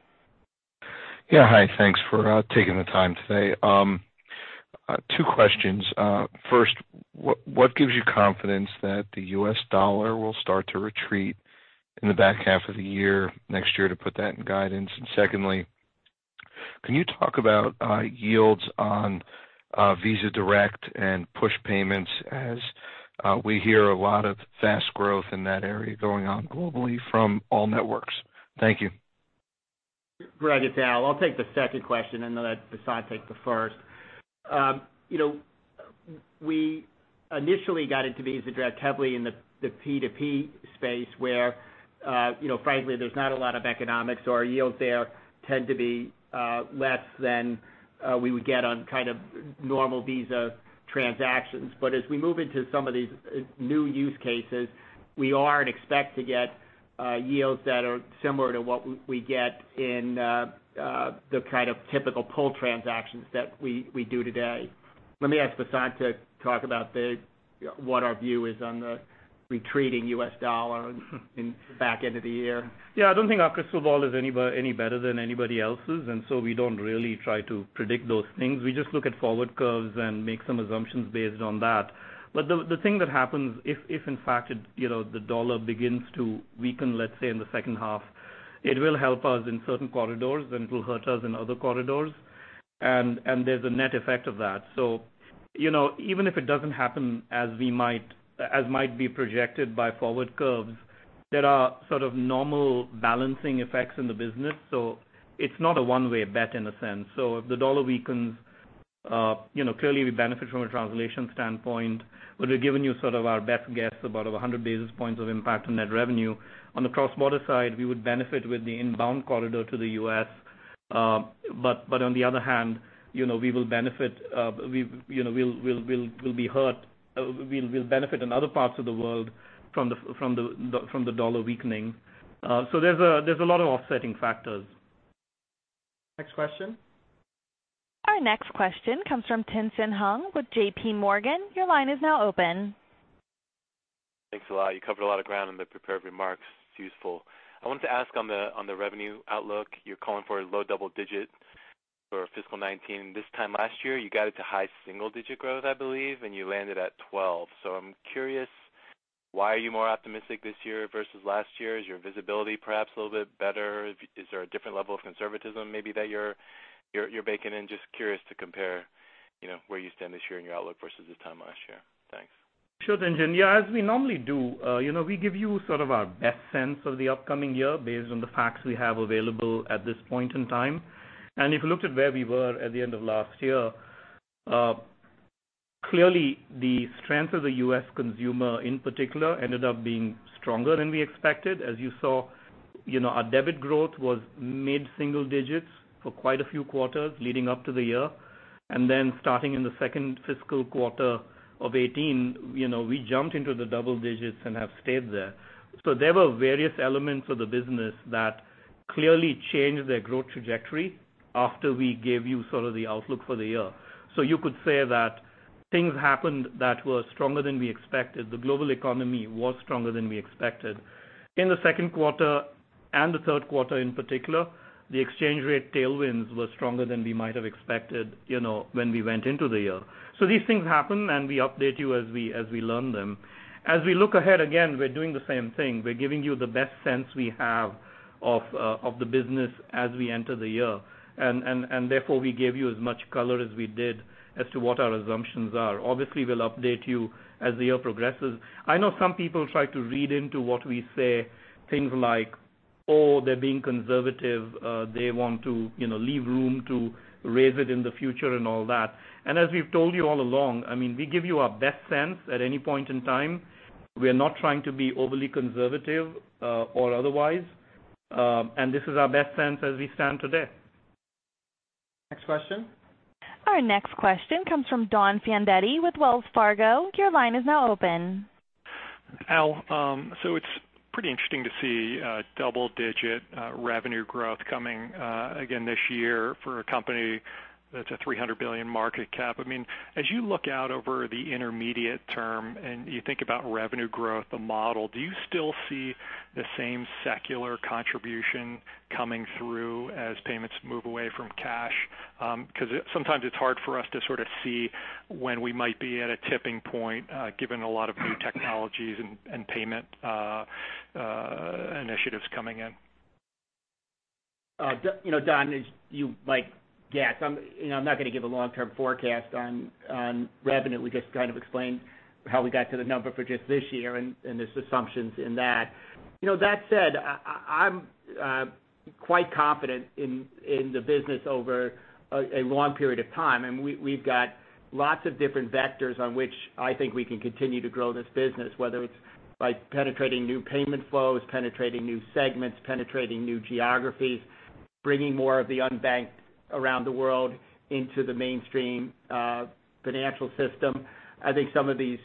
Hi. Thanks for taking the time today. Two questions. First, what gives you confidence that the US dollar will start to retreat in the back half of the year next year to put that in guidance? Secondly, can you talk about yields on Visa Direct and push payments as we hear a lot of fast growth in that area going on globally from all networks? Thank you. Craig, it's Al. I'll take the second question and then let Vasant take the first. We initially got into Visa Direct heavily in the P2P space where frankly, there's not a lot of economics, so our yields there tend to be less than we would get on kind of normal Visa transactions. As we move into some of these new use cases, we are and expect to get yields that are similar to what we get in the kind of typical pull transactions that we do today. Let me ask Vasant to talk about what our view is on the retreating US dollar in the back end of the year. I don't think our crystal ball is any better than anybody else's, we don't really try to predict those things. We just look at forward curves and make some assumptions based on that. The thing that happens if, in fact, the dollar begins to weaken, let's say, in the second half, it will help us in certain corridors, and it will hurt us in other corridors. There's a net effect of that. Even if it doesn't happen as might be projected by forward curves, there are sort of normal balancing effects in the business. It's not a one-way bet in a sense. If the dollar weakens, clearly, we benefit from a translation standpoint, but we've given you sort of our best guess about 100 basis points of impact on net revenue. On the cross-border side, we would benefit with the inbound corridor to the U.S. On the other hand, we'll benefit in other parts of the world from the dollar weakening. There's a lot of offsetting factors. Next question. Our next question comes from Tien-Tsin Huang with JPMorgan. Your line is now open. Thanks a lot. You covered a lot of ground in the prepared remarks. It is useful. I wanted to ask on the revenue outlook. You are calling for a low double-digit for fiscal 2019. This time last year, you guided to high single-digit growth, I believe, and you landed at 12. I am curious, why are you more optimistic this year versus last year? Is your visibility perhaps a little bit better? Is there a different level of conservatism maybe that you are baking in? Just curious to compare where you stand this year in your outlook versus this time last year. Thanks. Sure, Tien-Tsin. As we normally do, we give you sort of our best sense of the upcoming year based on the facts we have available at this point in time. If you looked at where we were at the end of last year, clearly the strength of the U.S. consumer, in particular, ended up being stronger than we expected. As you saw, our debit growth was mid-single digits for quite a few quarters leading up to the year. Then starting in the second fiscal quarter of 2018, we jumped into the double digits and have stayed there. There were various elements of the business that clearly changed their growth trajectory after we gave you sort of the outlook for the year. You could say that things happened that were stronger than we expected. The global economy was stronger than we expected. In the second quarter and the third quarter, in particular, the exchange rate tailwinds were stronger than we might have expected when we went into the year. These things happen, and we update you as we learn them. As we look ahead, again, we are doing the same thing. We are giving you the best sense we have of the business as we enter the year, and therefore, we gave you as much color as we did as to what our assumptions are. Obviously, we will update you as the year progresses. I know some people try to read into what we say, things like, "Oh, they are being conservative. They want to leave room to raise it in the future" and all that. As we have told you all along, we give you our best sense at any point in time. We are not trying to be overly conservative or otherwise. This is our best sense as we stand today. Next question. Our next question comes from Donald Fandetti with Wells Fargo. Your line is now open. Al, it's pretty interesting to see double-digit revenue growth coming again this year for a company that's a $300 billion market cap. You look out over the intermediate term and you think about revenue growth, the model, do you still see the same secular contribution coming through as payments move away from cash? Sometimes it's hard for us to sort of see when we might be at a tipping point given a lot of new technologies and payment initiatives coming in. Don Fandetti, yes, I am not going to give a long-term forecast on revenue. We just kind of explained how we got to the number for just this year and there are assumptions in that. That said, I am quite confident in the business over a long period of time, and we have got lots of different vectors on which I think we can continue to grow this business, whether it is by penetrating new payment flows, penetrating new segments, penetrating new geographies, bringing more of the unbanked around the world into the mainstream financial system. I think some of these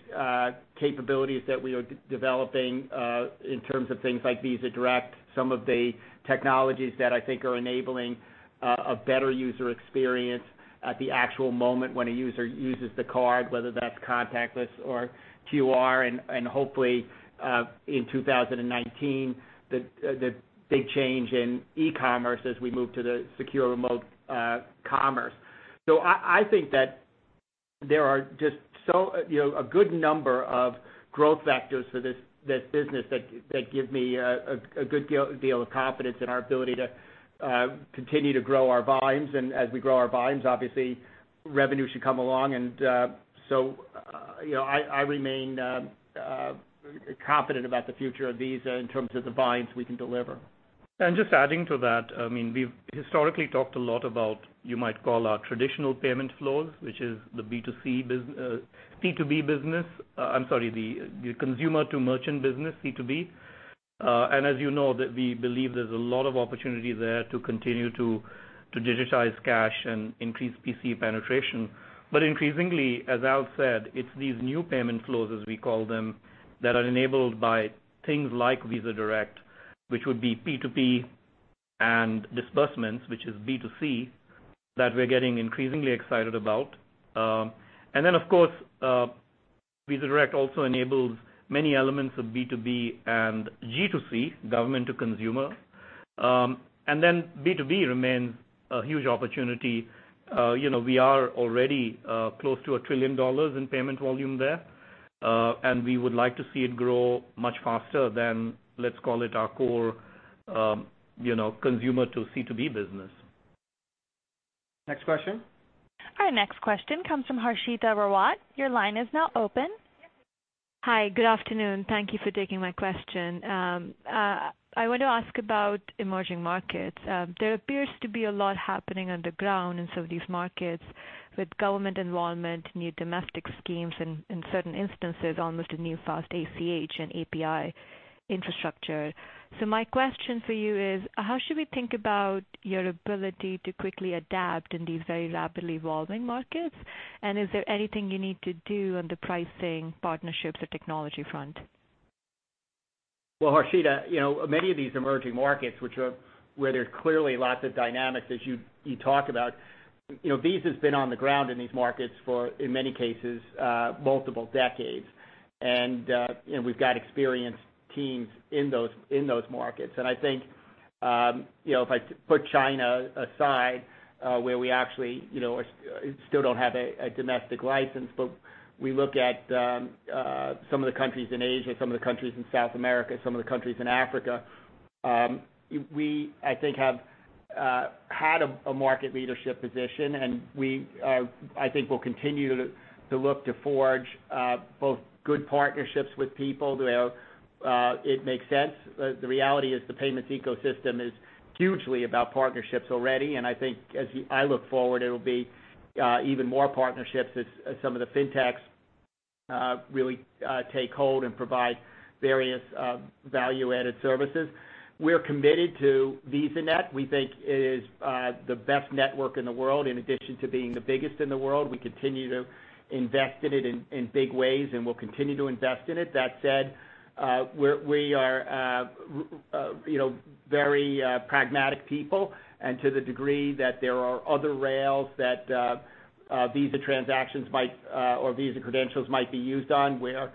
capabilities that we are developing in terms of things like Visa Direct, some of the technologies that I think are enabling a better user experience at the actual moment when a user uses the card, whether that is contactless or QR, and hopefully in 2019, the big change in e-commerce as we move to the Secure Remote Commerce. I think that there are just a good number of growth vectors for this business that give me a good deal of confidence in our ability to continue to grow our volumes. As we grow our volumes, obviously revenue should come along. I remain confident about the future of Visa in terms of the volumes we can deliver. Just adding to that, we have historically talked a lot about, you might call our traditional payment flows, which is the consumer to merchant business, C2B. As you know, we believe there is a lot of opportunity there to continue to digitize cash and increase PCE penetration. Increasingly, as Al said, it is these new payment flows, as we call them, that are enabled by things like Visa Direct, which would be P2P, and disbursements, which is B2C, that we are getting increasingly excited about. Then, of course, Visa Direct also enables many elements of B2B and G2C, government to consumer. B2B remains a huge opportunity. We are already close to $1 trillion in payment volume there. We would like to see it grow much faster than, let us call it our core consumer to C2B business. Next question. Our next question comes from Harshita Rawat. Your line is now open. Hi, good afternoon. Thank you for taking my question. I want to ask about emerging markets. There appears to be a lot happening on the ground in some of these markets with government involvement, new domestic schemes, and in certain instances, almost a new fast ACH and API infrastructure. My question for you is, how should we think about your ability to quickly adapt in these very rapidly evolving markets? Is there anything you need to do on the pricing, partnerships, or technology front? Well, Harshita, many of these emerging markets, where there's clearly lots of dynamics as you talk about, Visa's been on the ground in these markets for, in many cases, multiple decades. We've got experienced teams in those markets. I think, if I put China aside, where we actually still don't have a domestic license, but we look at some of the countries in Asia, some of the countries in South America, some of the countries in Africa, we, I think, have had a market leadership position. We, I think, will continue to look to forge both good partnerships with people where it makes sense. The reality is the payments ecosystem is hugely about partnerships already, and I think as I look forward, it'll be even more partnerships as some of the fintechs really take hold and provide various value-added services. We're committed to VisaNet. We think it is the best network in the world, in addition to being the biggest in the world. We continue to invest in it in big ways, and we'll continue to invest in it. That said, we are very pragmatic people, and to the degree that there are other rails that Visa transactions might, or Visa credentials might be used on where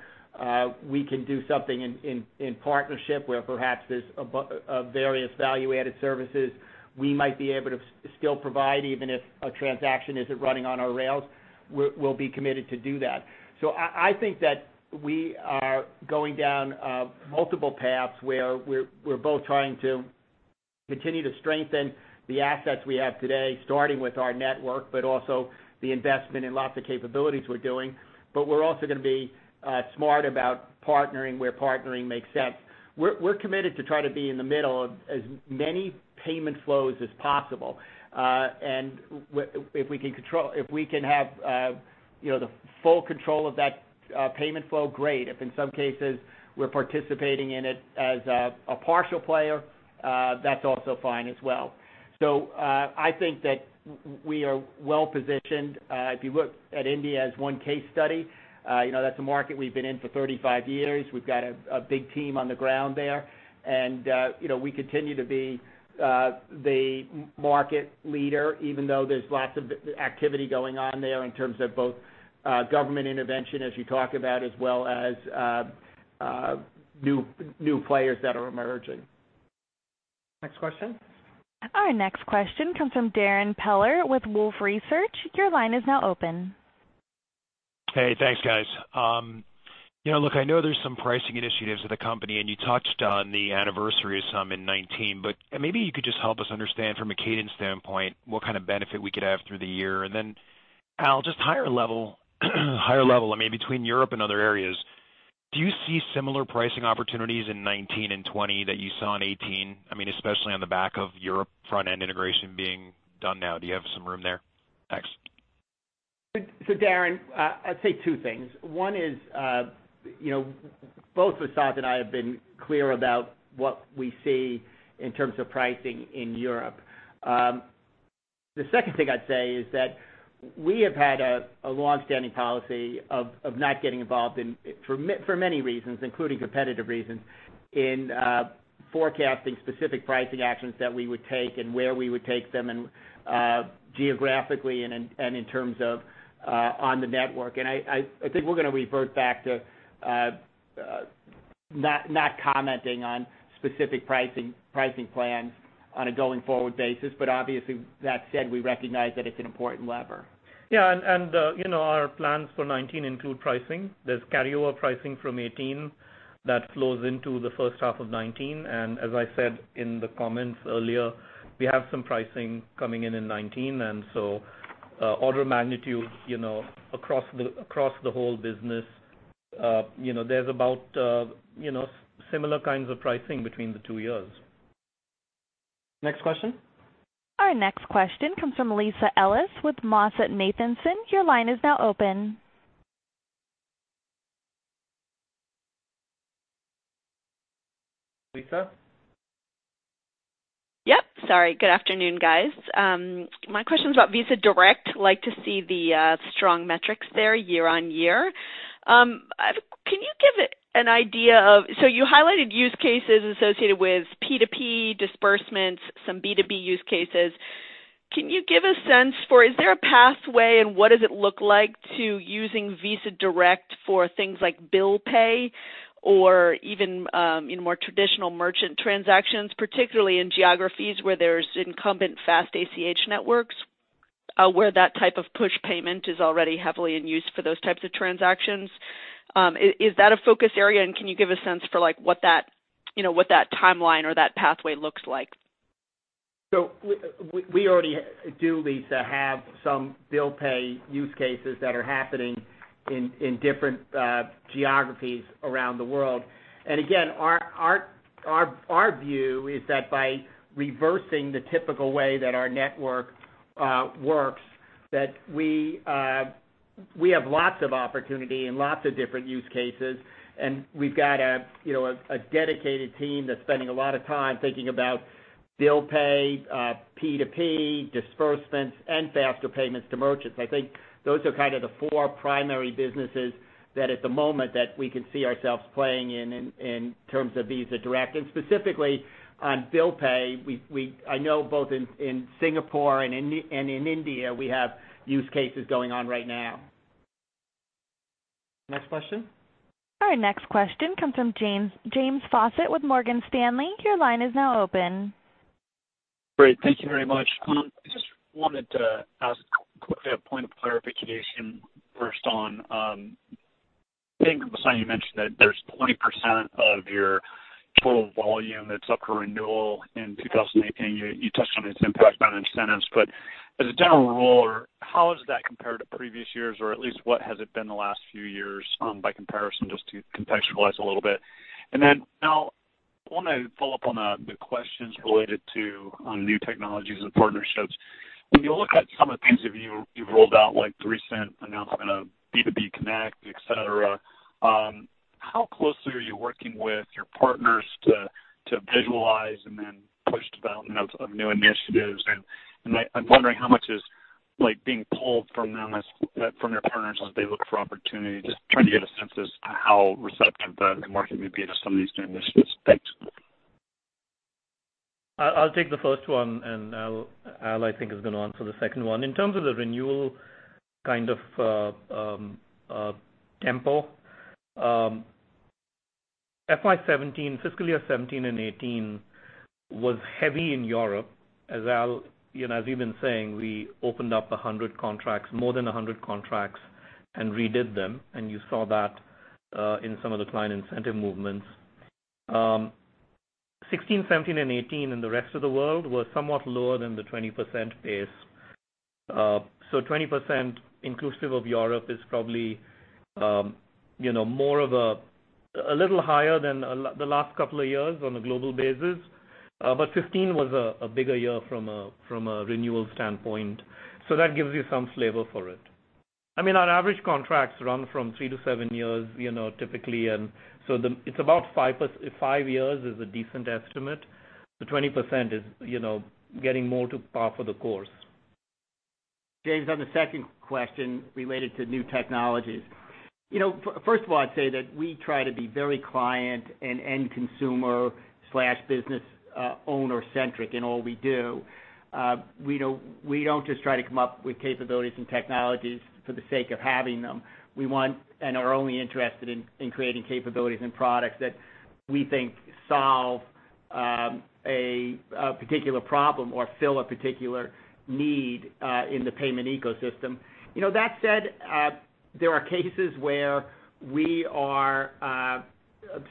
we can do something in partnership where perhaps there's various value-added services we might be able to still provide, even if a transaction isn't running on our rails, we'll be committed to do that. I think that we are going down multiple paths where we're both trying to continue to strengthen the assets we have today, starting with our network, but also the investment in lots of capabilities we're doing. We're also going to be smart about partnering where partnering makes sense. We're committed to trying to be in the middle of as many payment flows as possible. If we can have the full control of that payment flow, great. If in some cases we're participating in it as a partial player, that's also fine as well. I think that we are well-positioned. If you look at India as one case study, that's a market we've been in for 35 years. We've got a big team on the ground there. We continue to be the market leader, even though there's lots of activity going on there in terms of both government intervention, as you talk about, as well as new players that are emerging. Next question. Our next question comes from Darrin Peller with Wolfe Research. Your line is now open. Hey, thanks guys. Look, I know there's some pricing initiatives with the company, you touched on the anniversary of some in 2019, maybe you could just help us understand from a cadence standpoint what kind of benefit we could have through the year. Then Al, just higher level, maybe between Europe and other areas, do you see similar pricing opportunities in 2019 and 2020 that you saw in 2018? Especially on the back of Europe front-end integration being done now. Do you have some room there? Thanks. Darrin, I'd say two things. One is both Vasant and I have been clear about what we see in terms of pricing in Europe. The second thing I'd say is that we have had a longstanding policy of not getting involved in, for many reasons, including competitive reasons, in forecasting specific pricing actions that we would take and where we would take them geographically and in terms of on the network. I think we're going to revert back to not commenting on specific pricing plans on a going forward basis. Obviously, that said, we recognize that it's an important lever. Our plans for 2019 include pricing. There's carryover pricing from 2018 that flows into the first half of 2019. As I said in the comments earlier, we have some pricing coming in in 2019. Order of magnitude, across the whole business, there's about similar kinds of pricing between the two years. Next question. Our next question comes from Lisa Ellis with MoffettNathanson. Your line is now open. Lisa? Yep, sorry. Good afternoon, guys. My question's about Visa Direct. Like to see the strong metrics there year-over-year. Can you give an idea of, you highlighted use cases associated with P2P disbursements, some B2B use cases. Can you give a sense for, is there a pathway and what does it look like to using Visa Direct for things like bill pay or even in more traditional merchant transactions, particularly in geographies where there's incumbent fast ACH networks, where that type of push payment is already heavily in use for those types of transactions. Is that a focus area, can you give a sense for what that timeline or that pathway looks like? We already do, Lisa, have some bill pay use cases that are happening in different geographies around the world. Again, our view is that by reversing the typical way that our network works, that we have lots of opportunity and lots of different use cases. We've got a dedicated team that's spending a lot of time thinking about bill pay, P2P, disbursements, and faster payments to merchants. I think those are kind of the four primary businesses that at the moment that we can see ourselves playing in terms of Visa Direct. Specifically on bill pay, I know both in Singapore and in India, we have use cases going on right now. Next question. Our next question comes from James Faucette with Morgan Stanley. Your line is now open. Great. Thank you very much. I just wanted to ask quickly a point of clarification first on, I think, Vasant, you mentioned that there's 20% of your total volume that's up for renewal in 2018. You touched on its impact on incentives. As a general rule, how does that compare to previous years? Or at least what has it been the last few years by comparison, just to contextualize a little bit. Then Al, want to follow up on the questions related to new technologies and partnerships. When you look at some of the things you've rolled out, like the recent announcement of B2B Connect, et cetera, how closely are you working with your partners to visualize and then push development of new initiatives? I'm wondering how much is being pulled from them, from your partners as they look for opportunities. Just trying to get a sense as to how receptive the market may be to some of these new initiatives. Thanks. I'll take the first one. Al, I think, is going to answer the second one. In terms of the renewal kind of tempo, FY 2017, fiscal year 2017 and 2018 was heavy in Europe. As Al has been saying, we opened up 100 contracts, more than 100 contracts and redid them, and you saw that in some of the client incentive movements. 2016, 2017, and 2018 in the rest of the world were somewhat lower than the 20% pace. 20% inclusive of Europe is probably a little higher than the last couple of years on a global basis. 2015 was a bigger year from a renewal standpoint. That gives you some flavor for it. Our average contracts run from 3 to 7 years, typically. It's about five years is a decent estimate. The 20% is getting more to par for the course. James, on the second question related to new technologies. First of all, I'd say that we try to be very client and end consumer/business owner centric in all we do. We don't just try to come up with capabilities and technologies for the sake of having them. We want and are only interested in creating capabilities and products that we think solve a particular problem or fill a particular need in the payment ecosystem. That said, there are cases where we are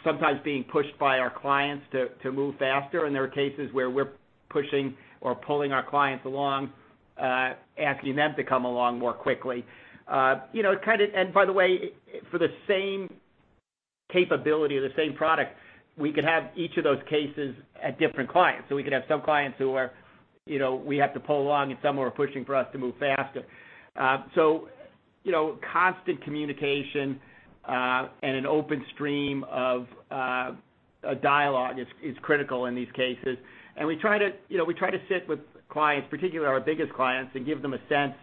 sometimes being pushed by our clients to move faster. There are cases where we're pushing or pulling our clients along asking them to come along more quickly. By the way, for the same capability or the same product, we could have each of those cases at different clients. We could have some clients who we have to pull along and some who are pushing for us to move faster. Constant communication, and an open stream of dialogue is critical in these cases. We try to sit with clients, particularly our biggest clients, and give them a sense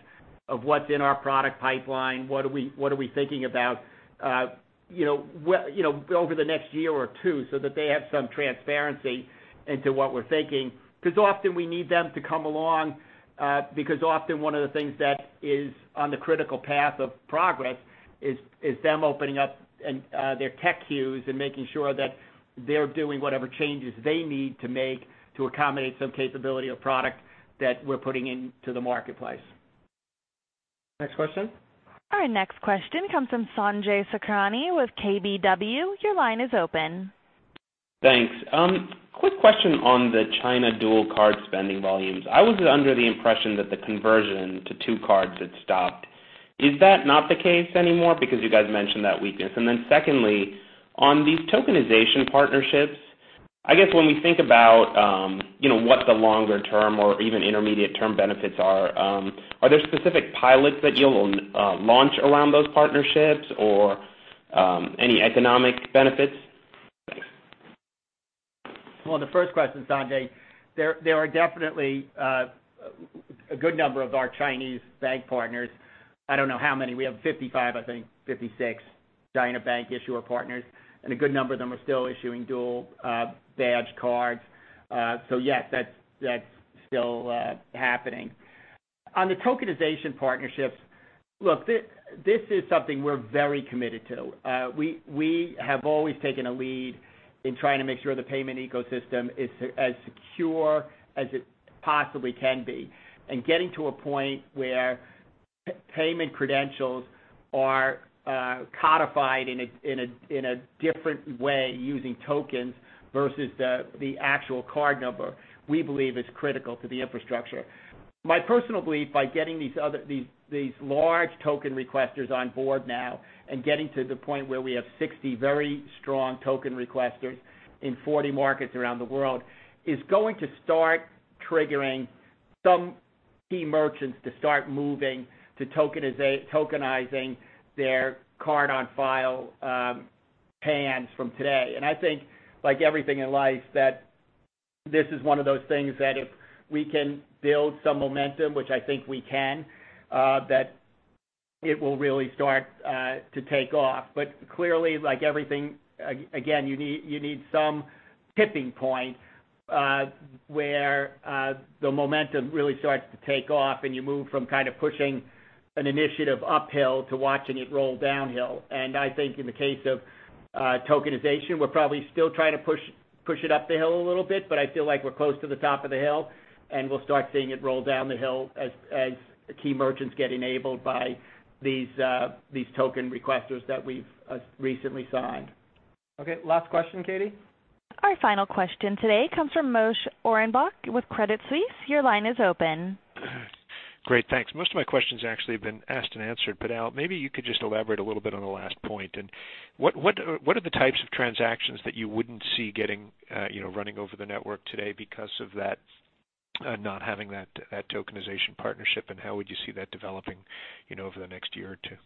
of what's in our product pipeline, what are we thinking about over the next year or two so that they have some transparency into what we're thinking. Often we need them to come along, because often one of the things that is on the critical path of progress is them opening up their tech queues and making sure that they're doing whatever changes they need to make to accommodate some capability or product that we're putting into the marketplace. Next question. Our next question comes from Sanjay Sakhrani with KBW. Your line is open. Thanks. Quick question on the China dual card spending volumes. I was under the impression that the conversion to two cards had stopped. Is that not the case anymore? You guys mentioned that weakness. Secondly, on these tokenization partnerships, I guess when we think about what the longer-term or even intermediate-term benefits are there specific pilots that you'll launch around those partnerships or any economic benefits? Well, on the first question, Sanjay, there are definitely a good number of our Chinese bank partners. I don't know how many. We have 55, I think, 56 China bank issuer partners, and a good number of them are still issuing dual badge cards. Yes, that's still happening. On the tokenization partnerships, look, this is something we're very committed to. We have always taken a lead in trying to make sure the payment ecosystem is as secure as it possibly can be. Getting to a point where payment credentials are codified in a different way using tokens versus the actual card number, we believe is critical to the infrastructure. My personal belief, by getting these large token requesters on board now and getting to the point where we have 60 very strong token requesters in 40 markets around the world, is going to start triggering some key merchants to start moving to tokenizing their card on file PANs from today. I think, like everything in life, that this is one of those things that if we can build some momentum, which I think we can, that it will really start to take off. Clearly, like everything, again, you need some tipping point where the momentum really starts to take off, and you move from pushing an initiative uphill to watching it roll downhill. I think in the case of tokenization, we're probably still trying to push it up the hill a little bit, but I feel like we're close to the top of the hill, and we'll start seeing it roll down the hill as key merchants get enabled by these token requesters that we've recently signed. Okay. Last question, Katie? Our final question today comes from Moshe Orenbuch with Credit Suisse. Your line is open. Great. Thanks. Most of my questions actually have been asked and answered, but Al, maybe you could just elaborate a little bit on the last point. What are the types of transactions that you wouldn't see running over the network today because of not having that tokenization partnership, and how would you see that developing over the next year or two?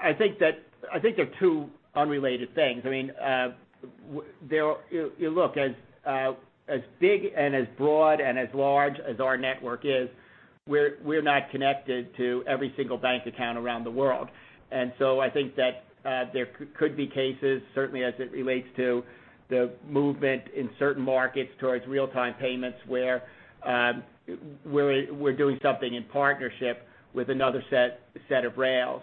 I think they're two unrelated things. Look, as big and as broad and as large as our network is, we're not connected to every single bank account around the world. I think that there could be cases, certainly as it relates to the movement in certain markets towards real-time payments, where we're doing something in partnership with another set of rails.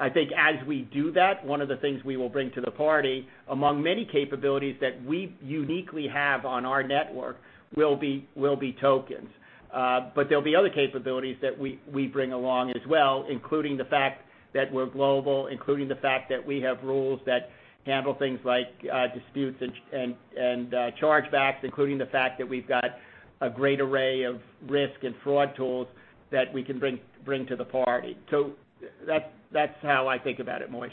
I think as we do that, one of the things we will bring to the party, among many capabilities that we uniquely have on our network, will be tokens. There'll be other capabilities that we bring along as well, including the fact that we're global, including the fact that we have rules that handle things like disputes and chargebacks, including the fact that we've got a great array of risk and fraud tools that we can bring to the party. That's how I think about it, Moshe.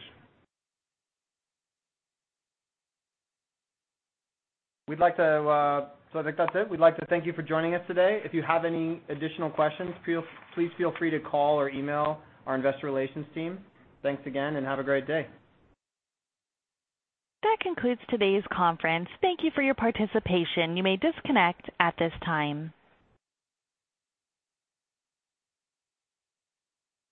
I think that's it. We'd like to thank you for joining us today. If you have any additional questions, please feel free to call or email our investor relations team. Thanks again, and have a great day. That concludes today's conference. Thank you for your participation. You may disconnect at this time.